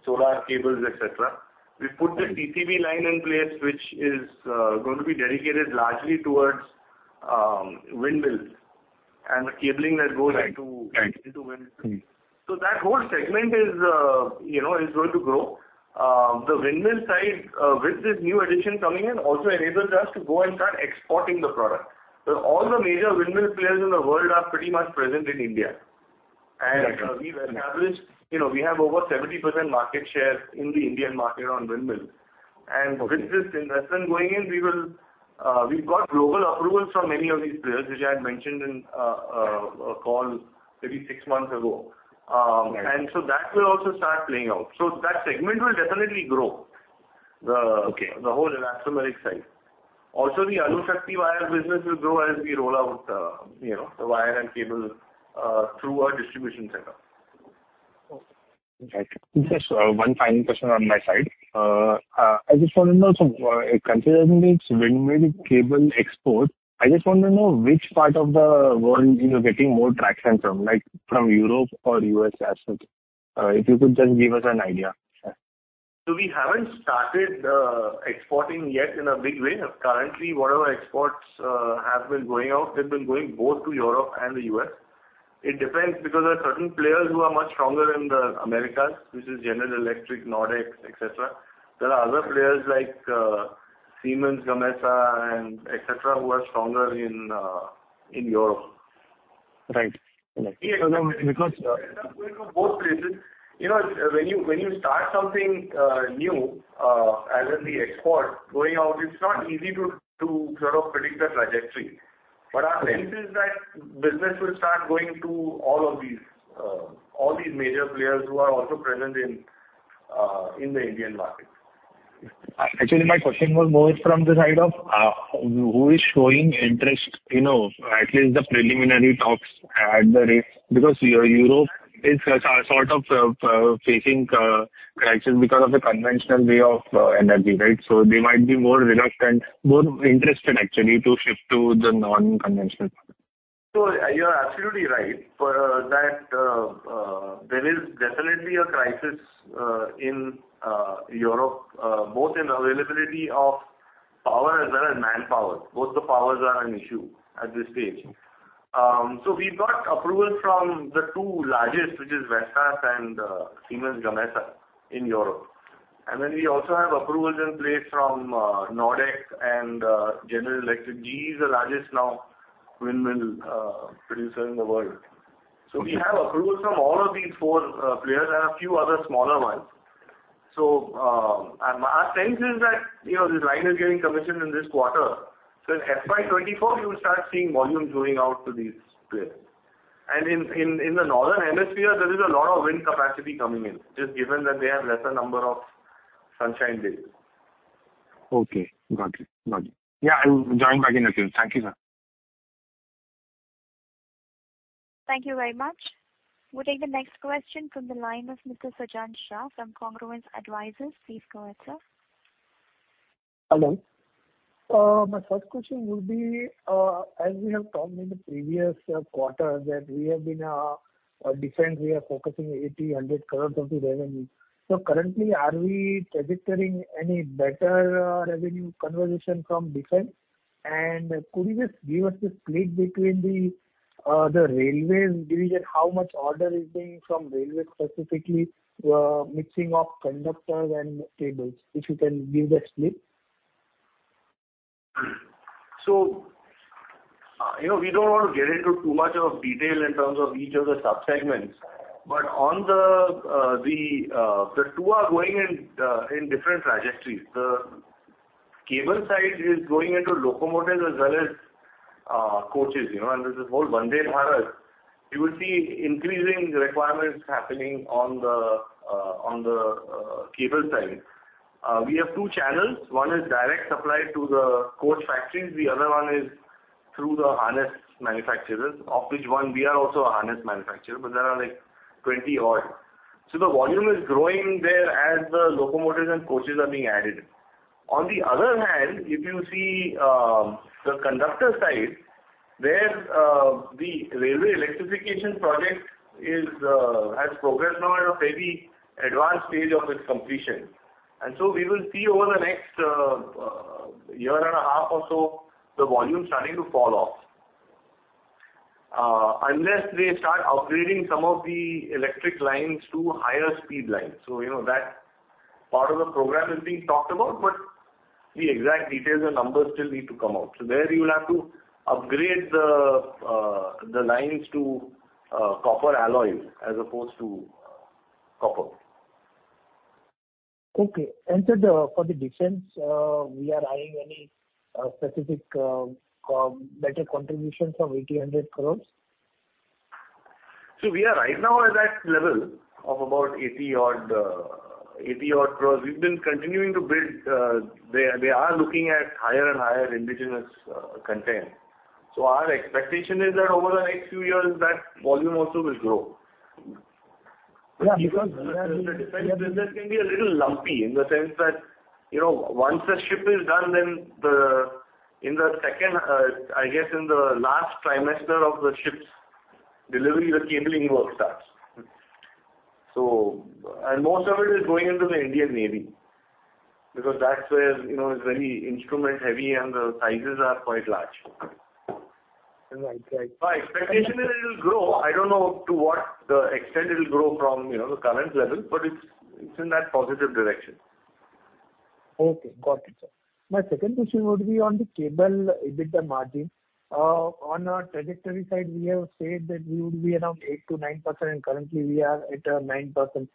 solar cables, et cetera. We put the TPV line in place, which is going to be dedicated largely towards windmills and the cabling that goes into- Right. Right. Into windmills. Mm. That whole segment is, you know, going to grow. The windmill side, with this new addition coming in also enables us to go and start exporting the product. All the major windmill players in the world are pretty much present in India. Right. We've established. You know, we have over 70% market share in the Indian market on windmills. With this investment going in, we've got global approvals from many of these players, which I had mentioned in a call maybe six months ago. Right. that will also start playing out. That segment will definitely grow. Okay. The whole elastomeric side. Also, the Anushakti wire business will grow as we roll out, you know, the wire and cable, through our distribution setup. Okay. Just, one final question on my side. I just want to know, so, considering this windmill cable export, I just want to know which part of the world you are getting more traction from, like from Europe or U.S. as such. If you could just give us an idea. We haven't started exporting yet in a big way. Currently, whatever exports have been going out, they've been going both to Europe and the U.S. It depends because there are certain players who are much stronger in the Americas, which is General Electric, Nordex, et cetera. There are other players like Siemens Gamesa and et cetera, who are stronger in Europe. Right. Because Going to both places. You know, when you start something new, as in the export going out, it's not easy to sort of predict the trajectory. Our sense is that business will start going to all of these major players who are also present in the Indian market. Actually, my question was more from the side of, who is showing interest, you know, at least the preliminary talks at the rate. Because Europe is, sort of, facing, crisis because of the conventional way of, energy, right? So they might be more reluctant, more interested actually to shift to the non-conventional. You are absolutely right. There is definitely a crisis in Europe, both in availability of power as well as manpower. Both the powers are an issue at this stage. We've got approval from the two largest, which is Vestas and Siemens Gamesa in Europe. We also have approvals in place from Nordex and General Electric. GE is the largest now windmill producer in the world. We have approvals from all of these four players and a few other smaller ones. Our sense is that, you know, this line is getting commissioned in this quarter. In FY 2024, you'll start seeing volumes going out to these players. In the northern hemisphere, there is a lot of wind capacity coming in, just given that they have lesser number of sunshine days. Okay. Got it. Yeah, I will join back in a few. Thank you, sir. Thank you very much. We'll take the next question from the line of Mr. Sachin Shah from Congruence Advisers. Please go ahead, sir. Hello. My first question will be, as we have talked in the previous quarter, that we have been on defense, we are focusing 80-100 crores of the revenue. Currently, is the trajectory any better revenue conversion from defense? And could you just give us the split between the railways division, how much order is being from railways, specifically mix of conductors and cables, if you can give the split? you know, we don't want to get into too much of detail in terms of each of the subsegments, but on the two are going in in different trajectories. The cable side is going into locomotives as well as coaches, you know, and there's this whole Vande Bharat. You will see increasing requirements happening on the cable side. We have two channels. One is direct supply to the coach factories. The other one is through the harness manufacturers, of which one we are also a harness manufacturer, but there are like 20 odd. The volume is growing there as the locomotives and coaches are being added. On the other hand, if you see, the conductor side, there's the railway electrification project has progressed now at a very advanced stage of its completion. We will see over the next year and a half or so the volume starting to fall off. Unless they start upgrading some of the electric lines to higher speed lines. You know that part of the program is being talked about, but the exact details and numbers still need to come out. There you will have to upgrade the lines to copper alloys as opposed to copper. Okay. Sir, for the defense, we are eyeing any specific better contribution from 800 crore? We are right now at that level of about 80-odd crores. We've been continuing to build, they are looking at higher and higher indigenous content. Our expectation is that over the next few years, that volume also will grow. Yeah, because. The defense business can be a little lumpy in the sense that, you know, once a ship is done, in the last trimester of the ship's delivery, the cabling work starts. Most of it is going into the Indian Navy because that's where, you know, it's very instrument heavy and the sizes are quite large. Right, right. My expectation is it'll grow. I don't know to what extent it'll grow from, you know, the current level, but it's in that positive direction. Okay. Got it, sir. My second question would be on the cable EBITDA margin. On our trajectory side we have said that we would be around 8%-9%, and currently we are at 9%.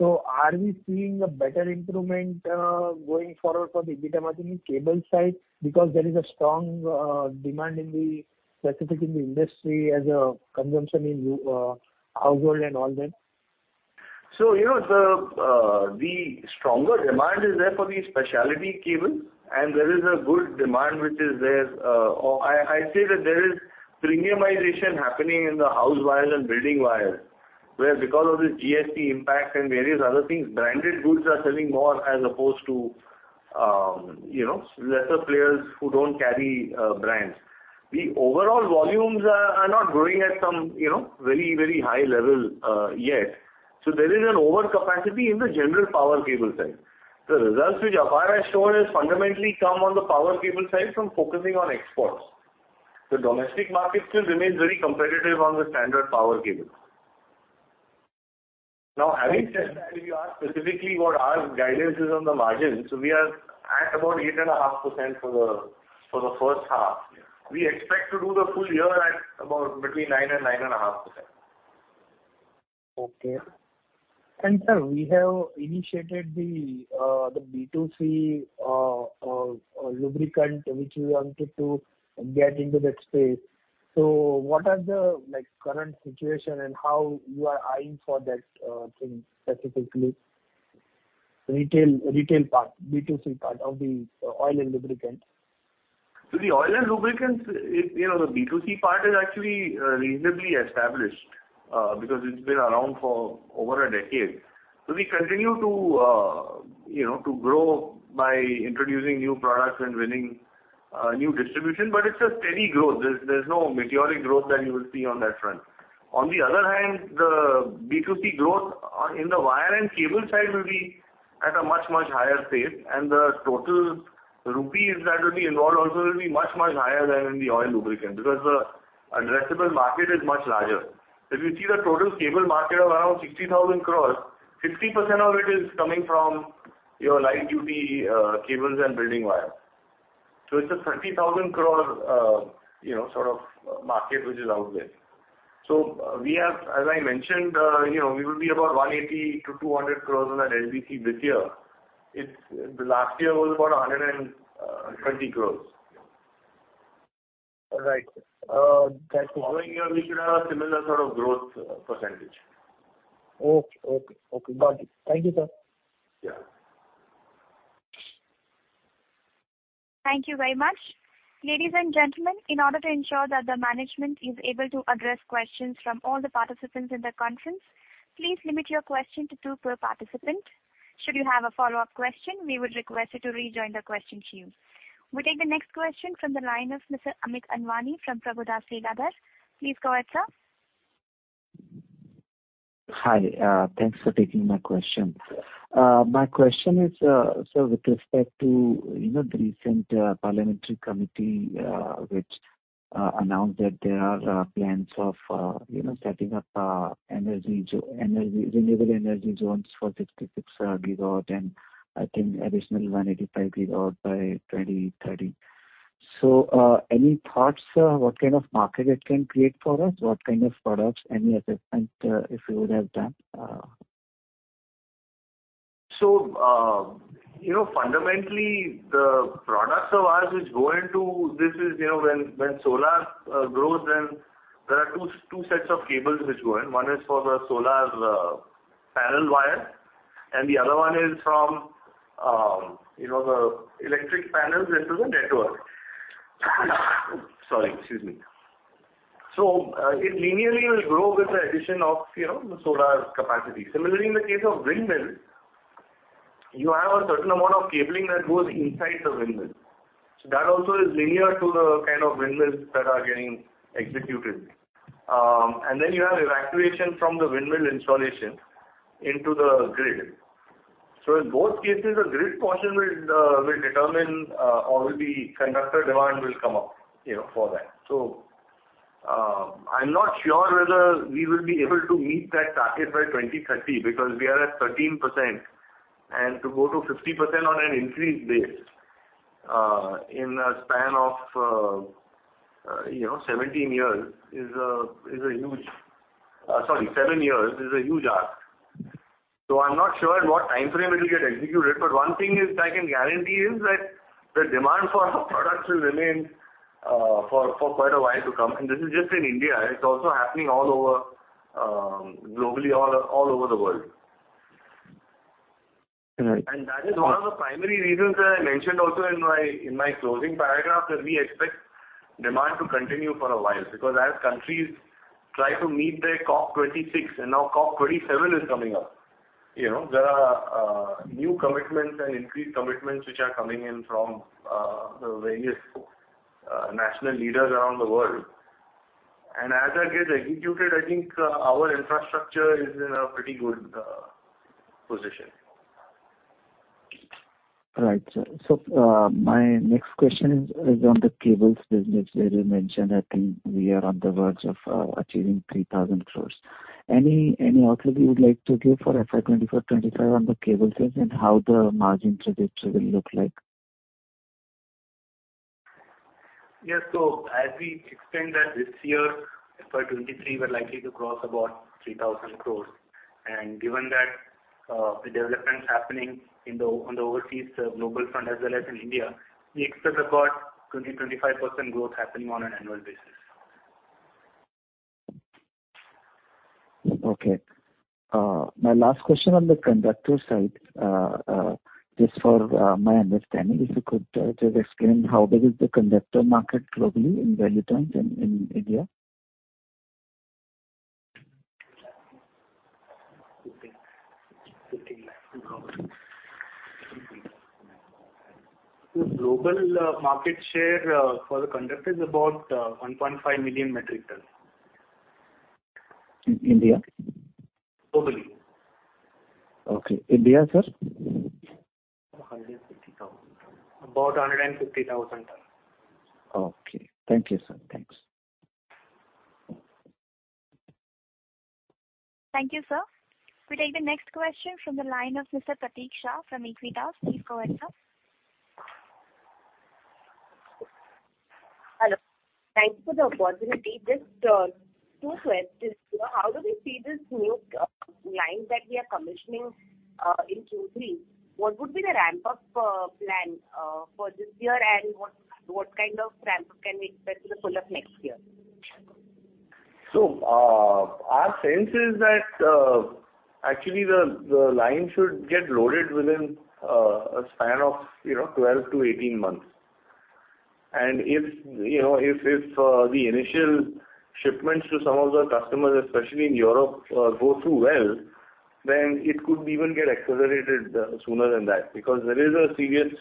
Are we seeing a better improvement going forward for the EBITDA margin in cable side because there is a strong demand in the, specifically in the industrial and consumption in new household and all that? You know the stronger demand is there for the specialty cable and there is a good demand which is there. Or I say that there is premiumization happening in the house wires and building wires, where because of the GST impact and various other things, branded goods are selling more as opposed to, you know, lesser players who don't carry brands. The overall volumes are not growing at some, you know, very high level yet. There is an overcapacity in the general power cable side. The results which APAR has shown has fundamentally come on the power cable side from focusing on exports. The domestic market still remains very competitive on the standard power cable. Now, having said that, if you ask specifically what our guidance is on the margins, we are at about 8.5% for the first half. We expect to do the full year at about between 9% and 9.5%. Okay. Sir, we have initiated the B2C lubricant which we wanted to get into that space. What are the, like, current situation and how you are eyeing for that thing specifically? Retail part, B2C part of the oil and lubricants. The oil and lubricants, you know, the B2C part is actually reasonably established because it's been around for over a decade. We continue to you know to grow by introducing new products and winning new distribution. It's a steady growth. There's no meteoric growth that you will see on that front. On the other hand, the B2C growth in the wire and cable side will be at a much much higher pace. The total rupees that will be involved also will be much much higher than in the oil lubricants, because the addressable market is much larger. If you see the total cable market of around 60,000 crore, 50% of it is coming from your light duty cables and building wire. It's a 30,000 crore, you know, sort of market which is out there. We have, as I mentioned, you know, we will be about 180 crore-200 crore on that LDC this year. The last year was about 120 crore. Right. Following year we should have a similar sort of growth percentage. Okay. Got it. Thank you, sir. Yeah. Thank you very much. Ladies and gentlemen, in order to ensure that the management is able to address questions from all the participants in the conference, please limit your question to two per participant. Should you have a follow-up question, we would request you to rejoin the question queue. We take the next question from the line of Mr. Amit Anwani from Prabhudas Lilladher. Please go ahead, sir. Hi. Thanks for taking my question. My question is, sir, with respect to, you know, the recent parliamentary committee, which announced that there are plans of, you know, setting up renewable energy zones for 66 GW and I think additional 185 GW by 2030. Any thoughts, what kind of market it can create for us? What kind of products? Any assessment, if you would have done? You know, fundamentally the products of ours which go into this is, you know, when solar grows then there are two sets of cables which go in. One is for the solar panel wire and the other one is from, you know, the electric panels into the network. Sorry, excuse me. It linearly will grow with the addition of, you know, the solar capacity. Similarly, in the case of windmill, you have a certain amount of cabling that goes inside the windmill. That also is linear to the kind of windmills that are getting executed. And then you have evacuation from the windmill installation into the grid. In both cases, the grid portion will determine or the conductor demand will come up, you know, for that. I'm not sure whether we will be able to meet that target by 2030 because we are at 13% and to go to 50% on an increased base, in a span of, you know, 17 years is a huge ask. Sorry, seven years is a huge ask. I'm not sure at what timeframe it'll get executed, but one thing is I can guarantee is that the demand for our products will remain for quite a while to come. This is just in India. It's also happening all over globally, all over the world. Right. That is one of the primary reasons that I mentioned also in my closing paragraph that we expect demand to continue for a while because as countries try to meet their COP26 and now COP27 is coming up. You know, there are new commitments and increased commitments which are coming in from the various national leaders around the world. As that gets executed, I think our infrastructure is in a pretty good position. Right. My next question is on the cables business that you mentioned. I think we are on the verge of achieving 3,000 crore. Any outlook you would like to give for FY 2024-2025 on the cable sales and how the margin trajectory will look like? Yes. As we explained that this year, FY 2023, we're likely to cross about 3,000 crores. Given that, the developments happening on the overseas global front as well as in India, we expect about 20-25% growth happening on an annual basis. Okay. My last question on the conductor side, just for my understanding, if you could just explain how big is the conductor market globally in value terms in India? The global market share for the conductor is about 1.5 million metric tons. In India? Globally. Okay. India, sir? INR 150 thousand. About 150,000 tons. Okay. Thank you, sir. Thanks. Thank you, sir. We take the next question from the line of Mr. Pratik Shah from Equitas. Please go ahead, sir. Hello. Thanks for the opportunity. Just two questions. How do we see this new line that we are commissioning in Q3? What would be the ramp-up plan for this year? What kind of ramp can we expect to the full of next year? Our sense is that actually the line should get loaded within a span of, you know, 12-18 months. If you know, the initial shipments to some of the customers, especially in Europe, go through well, then it could even get accelerated sooner than that because there is a serious,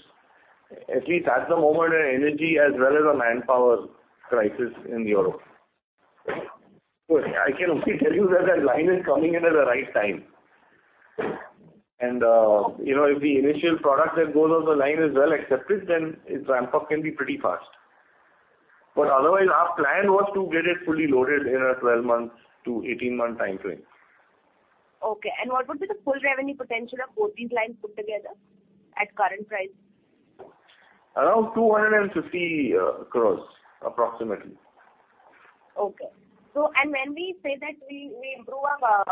at least at the moment, an energy as well as a manpower crisis in Europe. I can only tell you that that line is coming in at the right time. You know, if the initial product that goes on the line is well accepted, then its ramp-up can be pretty fast. Otherwise our plan was to get it fully loaded in a 12-month to 18-month timeframe. Okay. What would be the full revenue potential of both these lines put together at current price? Around 250 crores approximately. When we say that we improve our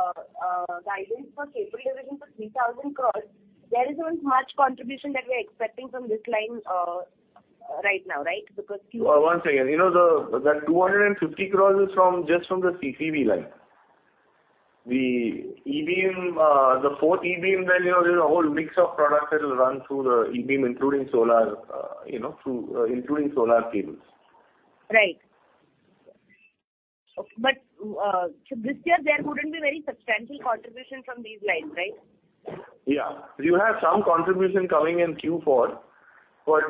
guidance for CapEx revenue to 3,000 crore, there isn't much contribution that we're expecting from this line right now, right? Because- One second. You know, the 250 crore is from just the CCV line. The fourth E-beam, then, you know, there's a whole mix of products that will run through the E-beam, including solar cables. Right. This year there wouldn't be very substantial contribution from these lines, right? Yeah. You have some contribution coming in Q4, but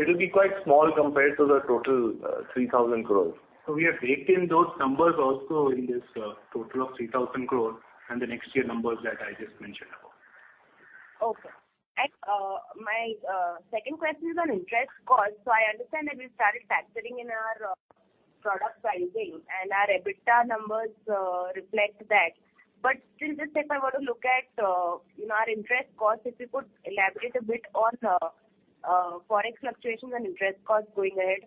it'll be quite small compared to the total, 3,000 crores. We have baked in those numbers also in this total of 3,000 crore and the next year numbers that I just mentioned about. Okay. My second question is on interest cost. I understand that we started factoring in our product pricing and our EBITDA numbers reflect that. Still, just if I were to look at, you know, our interest cost, if you could elaborate a bit on Forex fluctuations and interest costs going ahead.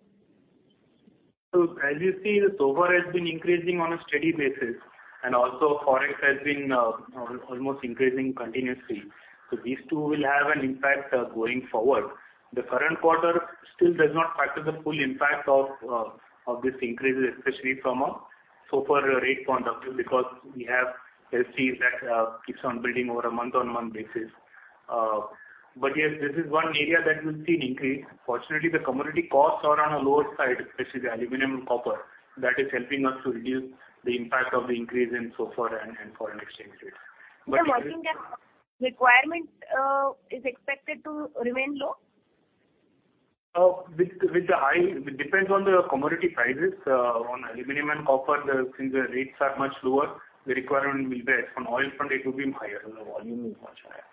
As you see, the SOFR has been increasing on a steady basis, and also Forex has been almost increasing continuously. These two will have an impact going forward. The current quarter still does not factor the full impact of this increase, especially from a SOFR rate point of view, because we have LCs that keeps on building over a month-on-month basis. Yes, this is one area that we've seen increase. Fortunately, the commodity costs are on a lower side, especially the aluminum and copper. That is helping us to reduce the impact of the increase in SOFR and foreign exchange rates. There is Sir, working cap requirement is expected to remain low? It depends on the commodity prices. On aluminum and copper, since the rates are much lower, the requirement will be there. On oil front, it will be higher. The volume is much higher.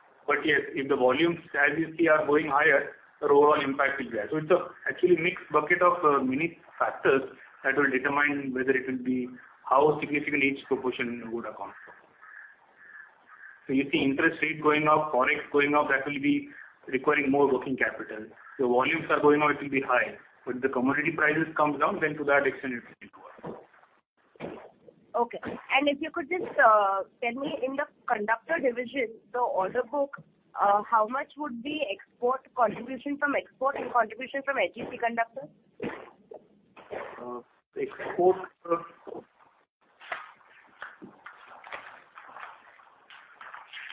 Yes, if the volumes, as you see, are going higher, the overall impact will be high. It's actually a mixed bucket of many factors that will determine whether it will be how significant each proportion would account for. You see interest rate going up, Forex going up, that will be requiring more working capital. The volumes are going up, it will be high. But the commodity prices comes down, then to that extent it will be lower. Okay. If you could just tell me, in the conductor division, the order book, how much would be export contribution from export and contribution from AGC conductors?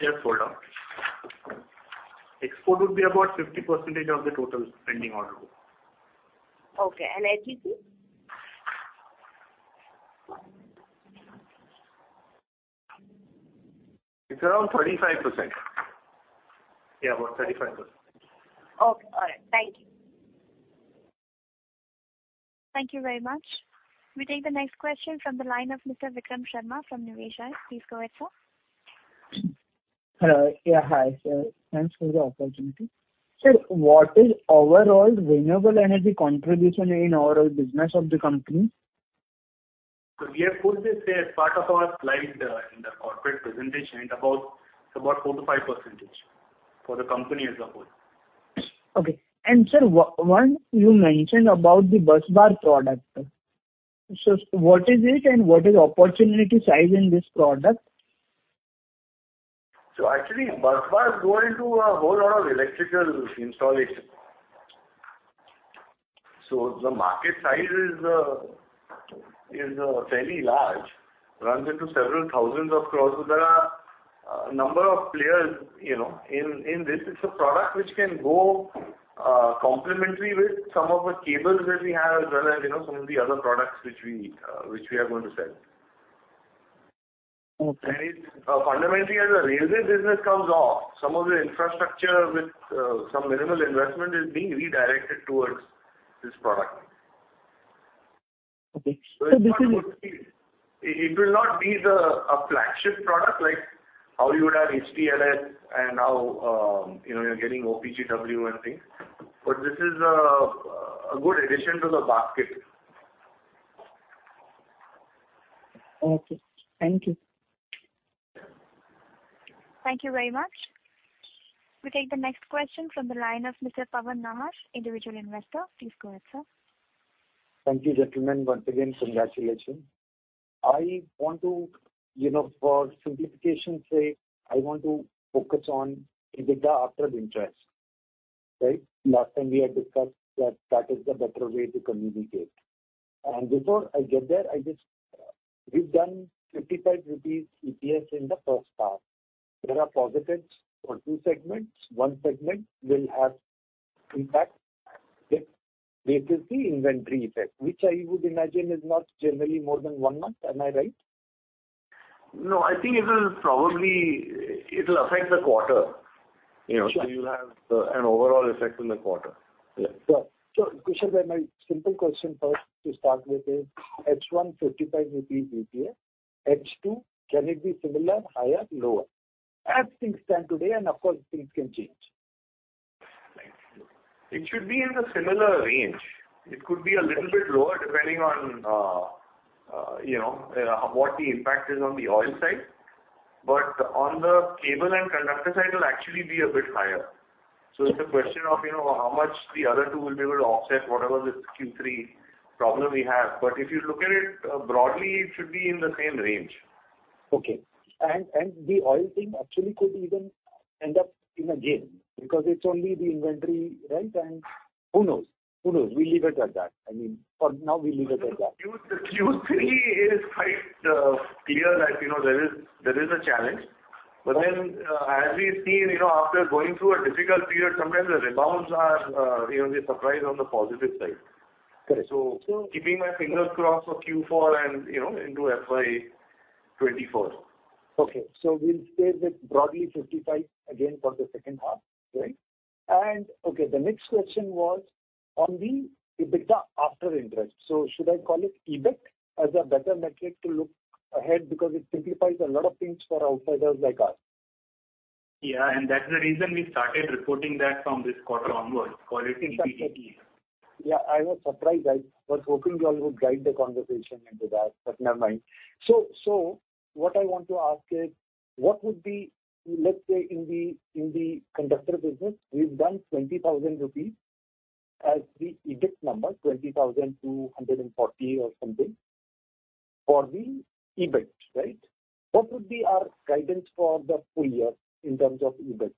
Export would be about 50% of the total pending order book. Okay. AGC? It's around 35%. Yeah, about 35%. Okay. All right. Thank you. Thank you very much. We take the next question from the line of Mr. Vikram Sharma from Niveshaay. Please go ahead, sir. Hello. Yeah, hi, sir. Thanks for the opportunity. Sir, what is overall renewable energy contribution in overall business of the company? We have quoted this as part of our slide in the corporate presentation. It's about 4%-5% for the company as a whole. Sir, one, you mentioned about the busbar product. What is it and what is opportunity size in this product? Actually, busbars go into a whole lot of electrical installation. The market size is fairly large, runs into several thousand crores INR. There are a number of players in this. It's a product which can go complementary with some of the cables that we have, as well as some of the other products which we are going to sell. Okay. It's fundamentally, as the railway business comes off, some of the infrastructure with some minimal investment is being redirected towards this product. Okay. It's not going to be a flagship product like how you would have HTLS and now, you know, you're getting OPGW and things. This is a good addition to the basket. Okay. Thank you. Thank you very much. We take the next question from the line of Mr. Pawan Nahar, individual investor. Please go ahead, sir. Thank you, gentlemen. Once again, congratulations. I want to, you know, for simplification sake, I want to focus on EBITDA after interest. Right? Last time we had discussed that that is the better way to communicate. Before I get there, I just... We've done 55 rupees EPS in the first half. There are positives for two segments. One segment will have impact with basically inventory effect, which I would imagine is not generally more than one month. Am I right? No, I think it will probably, it'll affect the quarter, you know. Sure. You'll have an overall effect in the quarter. Kushal bhaiya, my simple question first to start with is H1, 55 rupees EPS. H2, can it be similar, higher, lower? As things stand today, and of course things can change. It should be in the similar range. It could be a little bit lower depending on, you know, what the impact is on the oil side. On the cable and conductor side, it'll actually be a bit higher. It's a question of, you know, how much the other two will be able to offset whatever this Q3 problem we have. If you look at it, broadly, it should be in the same range. Okay. The oil thing actually could even end up in a gain because it's only the inventory, right? Who knows? Who knows? We'll leave it at that. I mean, for now, we'll leave it at that. Q, the Q3 is quite clear that, you know, there is a challenge. Right. As we've seen, you know, after going through a difficult period, sometimes the rebounds are, you know, they surprise on the positive side. Correct. keeping my fingers crossed for Q4 and, you know, into FY 2024. Okay. We'll stay with broadly 55 again for the second half, right? Okay, the next question was on the EBITDA after interest. Should I call it EBIT as a better metric to look ahead because it simplifies a lot of things for outsiders like us. Yeah. That's the reason we started reporting that from this quarter onwards, call it EBITDA. Yeah, I was surprised. I was hoping you all would guide the conversation into that, but never mind. What I want to ask is what would be, let's say in the conductor business, we've done 20,000 rupees as the EBIT number, 20,240 or something for the EBIT, right? What would be our guidance for the full year in terms of EBIT?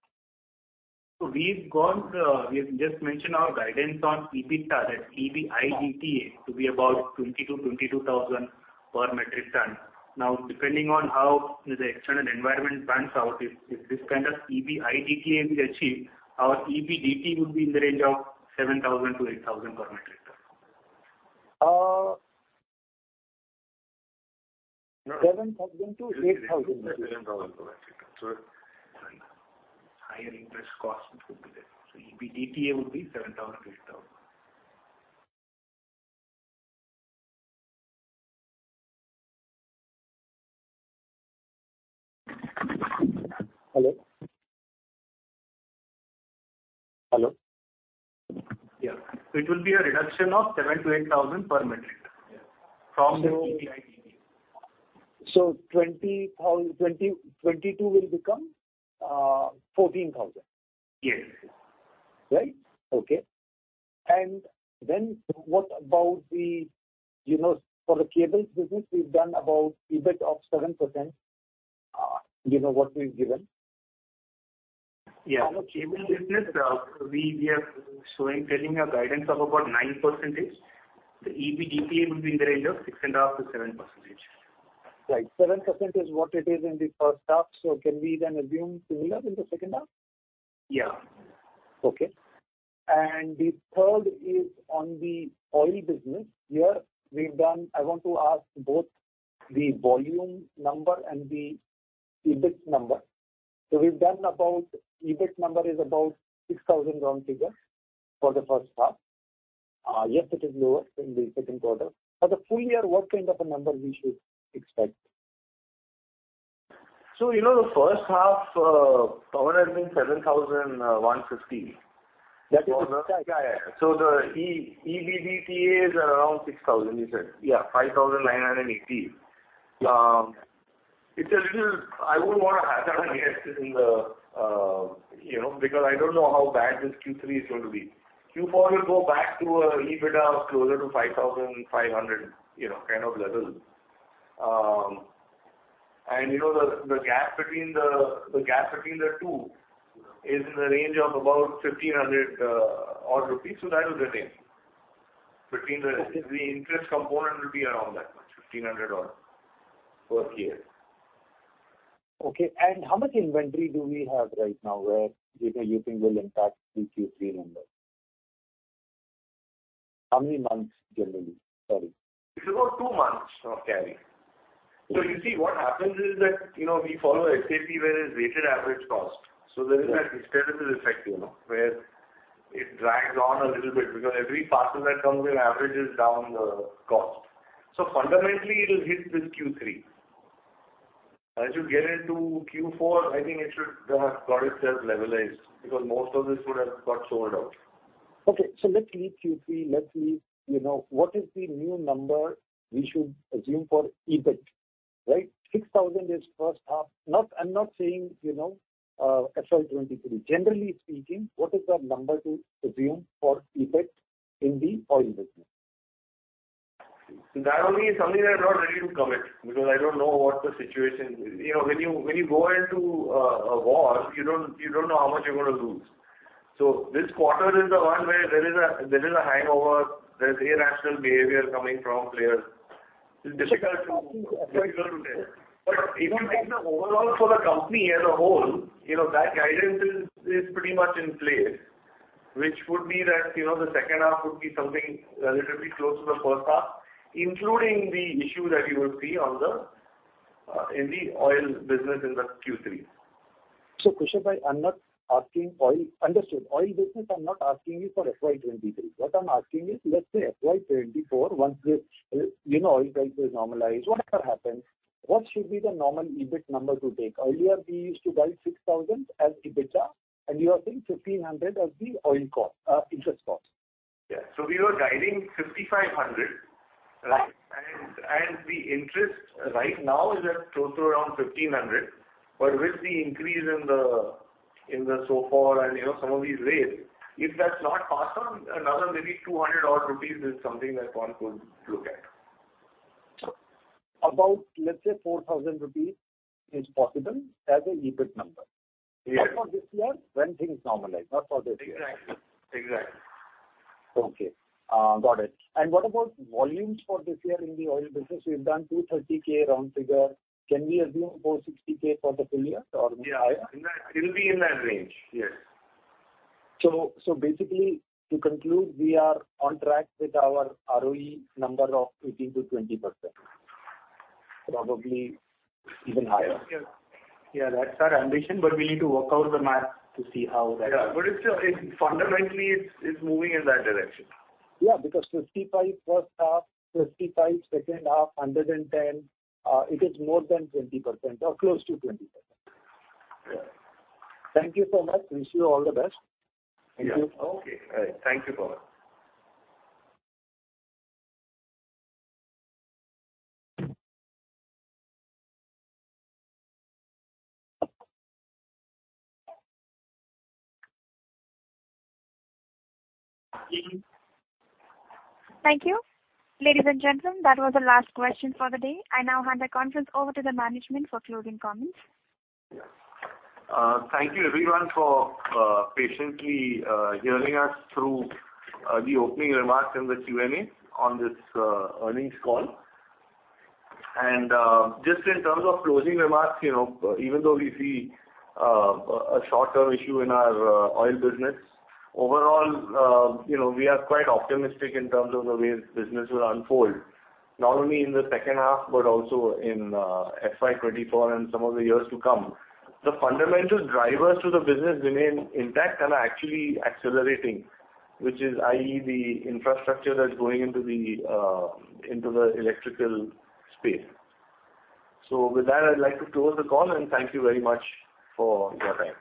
We've just mentioned our guidance on EBITDA, that's E-B-I-T-D-A to be about 20,000-22,000 per metric ton. Now, depending on how the external environment pans out, if this kind of EBITDA is achieved, our EBITDA would be in the range of 7,000-8,000 per metric ton. Uh, seven thousand to eight thousand. INR 7,000-INR 8,000 per metric ton. Higher interest costs would be there. EBITDA would be 7,000-8,000. Hello? Hello? Yeah. It will be a reduction of 7,000-8,000 per metric ton. Yeah. From the EBITDA. 2022 will become 14,000. Yes. Right? Okay. What about the, you know, for the cables business, we've done about EBIT of 7%, you know, what we've given. Yeah. The cable business, we are showing, telling a guidance of about 9%. The EBITDA would be in the range of 6.5%-7%. Right. 7% is what it is in the first half. Can we then assume similar in the second half? Yeah. Okay. The third is on the oil business. Here we've done. I want to ask both the volume number and the EBIT number. We've done about, EBIT number is about 6,000 round figure for the first half. Yes, it is lower in the second quarter. For the full year, what kind of a number we should expect? You know, the first half, Pawan had been 7,000, 150. That is the- The EBITDA is around 6,000 you said. Yeah, 5,980. It's a little I wouldn't want to hazard a guess because I don't know how bad this Q3 is going to be. Q4 will go back to a EBITDA of closer to 5,500, kind of level. The gap between the two is in the range of about 1,500 rupees odd. That is the thing. The interest component will be around that much, 1,500 odd per year. Okay. How much inventory do we have right now where, you know, you think will impact the Q3 numbers? How many months generally? Sorry. It's about two months of carry. You see, what happens is that, you know, we follow SAP where it's weighted average cost. There is that historical effect, you know, where it drags on a little bit because every parcel that comes in averages down the cost. Fundamentally it'll hit this Q3. As you get into Q4, I think it should got itself levelized because most of this would have got sold out. Let's leave Q3, you know. What is the new number we should assume for EBIT, right? 6,000 is first half. I'm not saying, you know, FY 2023. Generally speaking, what is the number to assume for EBIT in the oil business? That only is something I'm not ready to commit because I don't know what the situation is. You know, when you go into a war, you don't know how much you're gonna lose. This quarter is the one where there is a hangover. There's irrational behavior coming from players. It's difficult to tell. If you take the overall for the company as a whole, you know that guidance is pretty much in place, which would be that, you know, the second half would be something relatively close to the first half, including the issue that you would see on the in the oil business in the Q3. Kushal, I'm not asking oil. Understood. Oil business, I'm not asking you for FY 2023. What I'm asking is, let's say FY 2024, once the, you know, oil price is normalized, whatever happens, what should be the normal EBIT number to take? Earlier we used to guide 6,000 as EBITDA, and you are saying 1,500 as the oil cost, interest cost. Yeah. We were guiding 5,500. Right. The interest right now is at close to around 1,500. With the increase in the SOFR and, you know, some of these rates, if that's not passed on, another maybe 200 odd rupees is something that one could look at. About, let's say, 4,000 rupees is possible as an EBIT number. Yes. Not for this year. When things normalize, not for this year. Exactly. Exactly. Okay. Got it. What about volumes for this year in the oil business? We've done 230K round figure. Can we assume 460K for the full year or higher? Yeah. In that, it'll be in that range. Yes. Basically to conclude, we are on track with our ROE number of 18%-20%, probably even higher. Yeah. Yeah. That's our ambition, but we need to work out the math. Yeah. It's, fundamentally, it's moving in that direction. Yeah. Because 55 first half, 55 second half, 110, it is more than 20% or close to 20%. Yeah. Thank you so much. Wish you all the best. Thank you. Okay. All right. Thank you, Pawan. Thank you. Ladies and gentlemen, that was the last question for the day. I now hand the conference over to the management for closing comments. Thank you everyone for patiently hearing us through the opening remarks and the Q&A on this earnings call. Just in terms of closing remarks, you know, even though we see a short-term issue in our oil business, overall, you know, we are quite optimistic in terms of the way this business will unfold, not only in the second half, but also in FY 2024 and some of the years to come. The fundamental drivers to the business remain intact and are actually accelerating, which is, i.e., the infrastructure that's going into the electrical space. With that, I'd like to close the call and thank you very much for your time.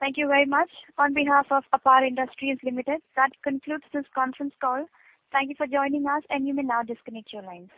Thank you very much. On behalf of APAR Industries Limited, that concludes this conference call. Thank you for joining us, and you may now disconnect your lines.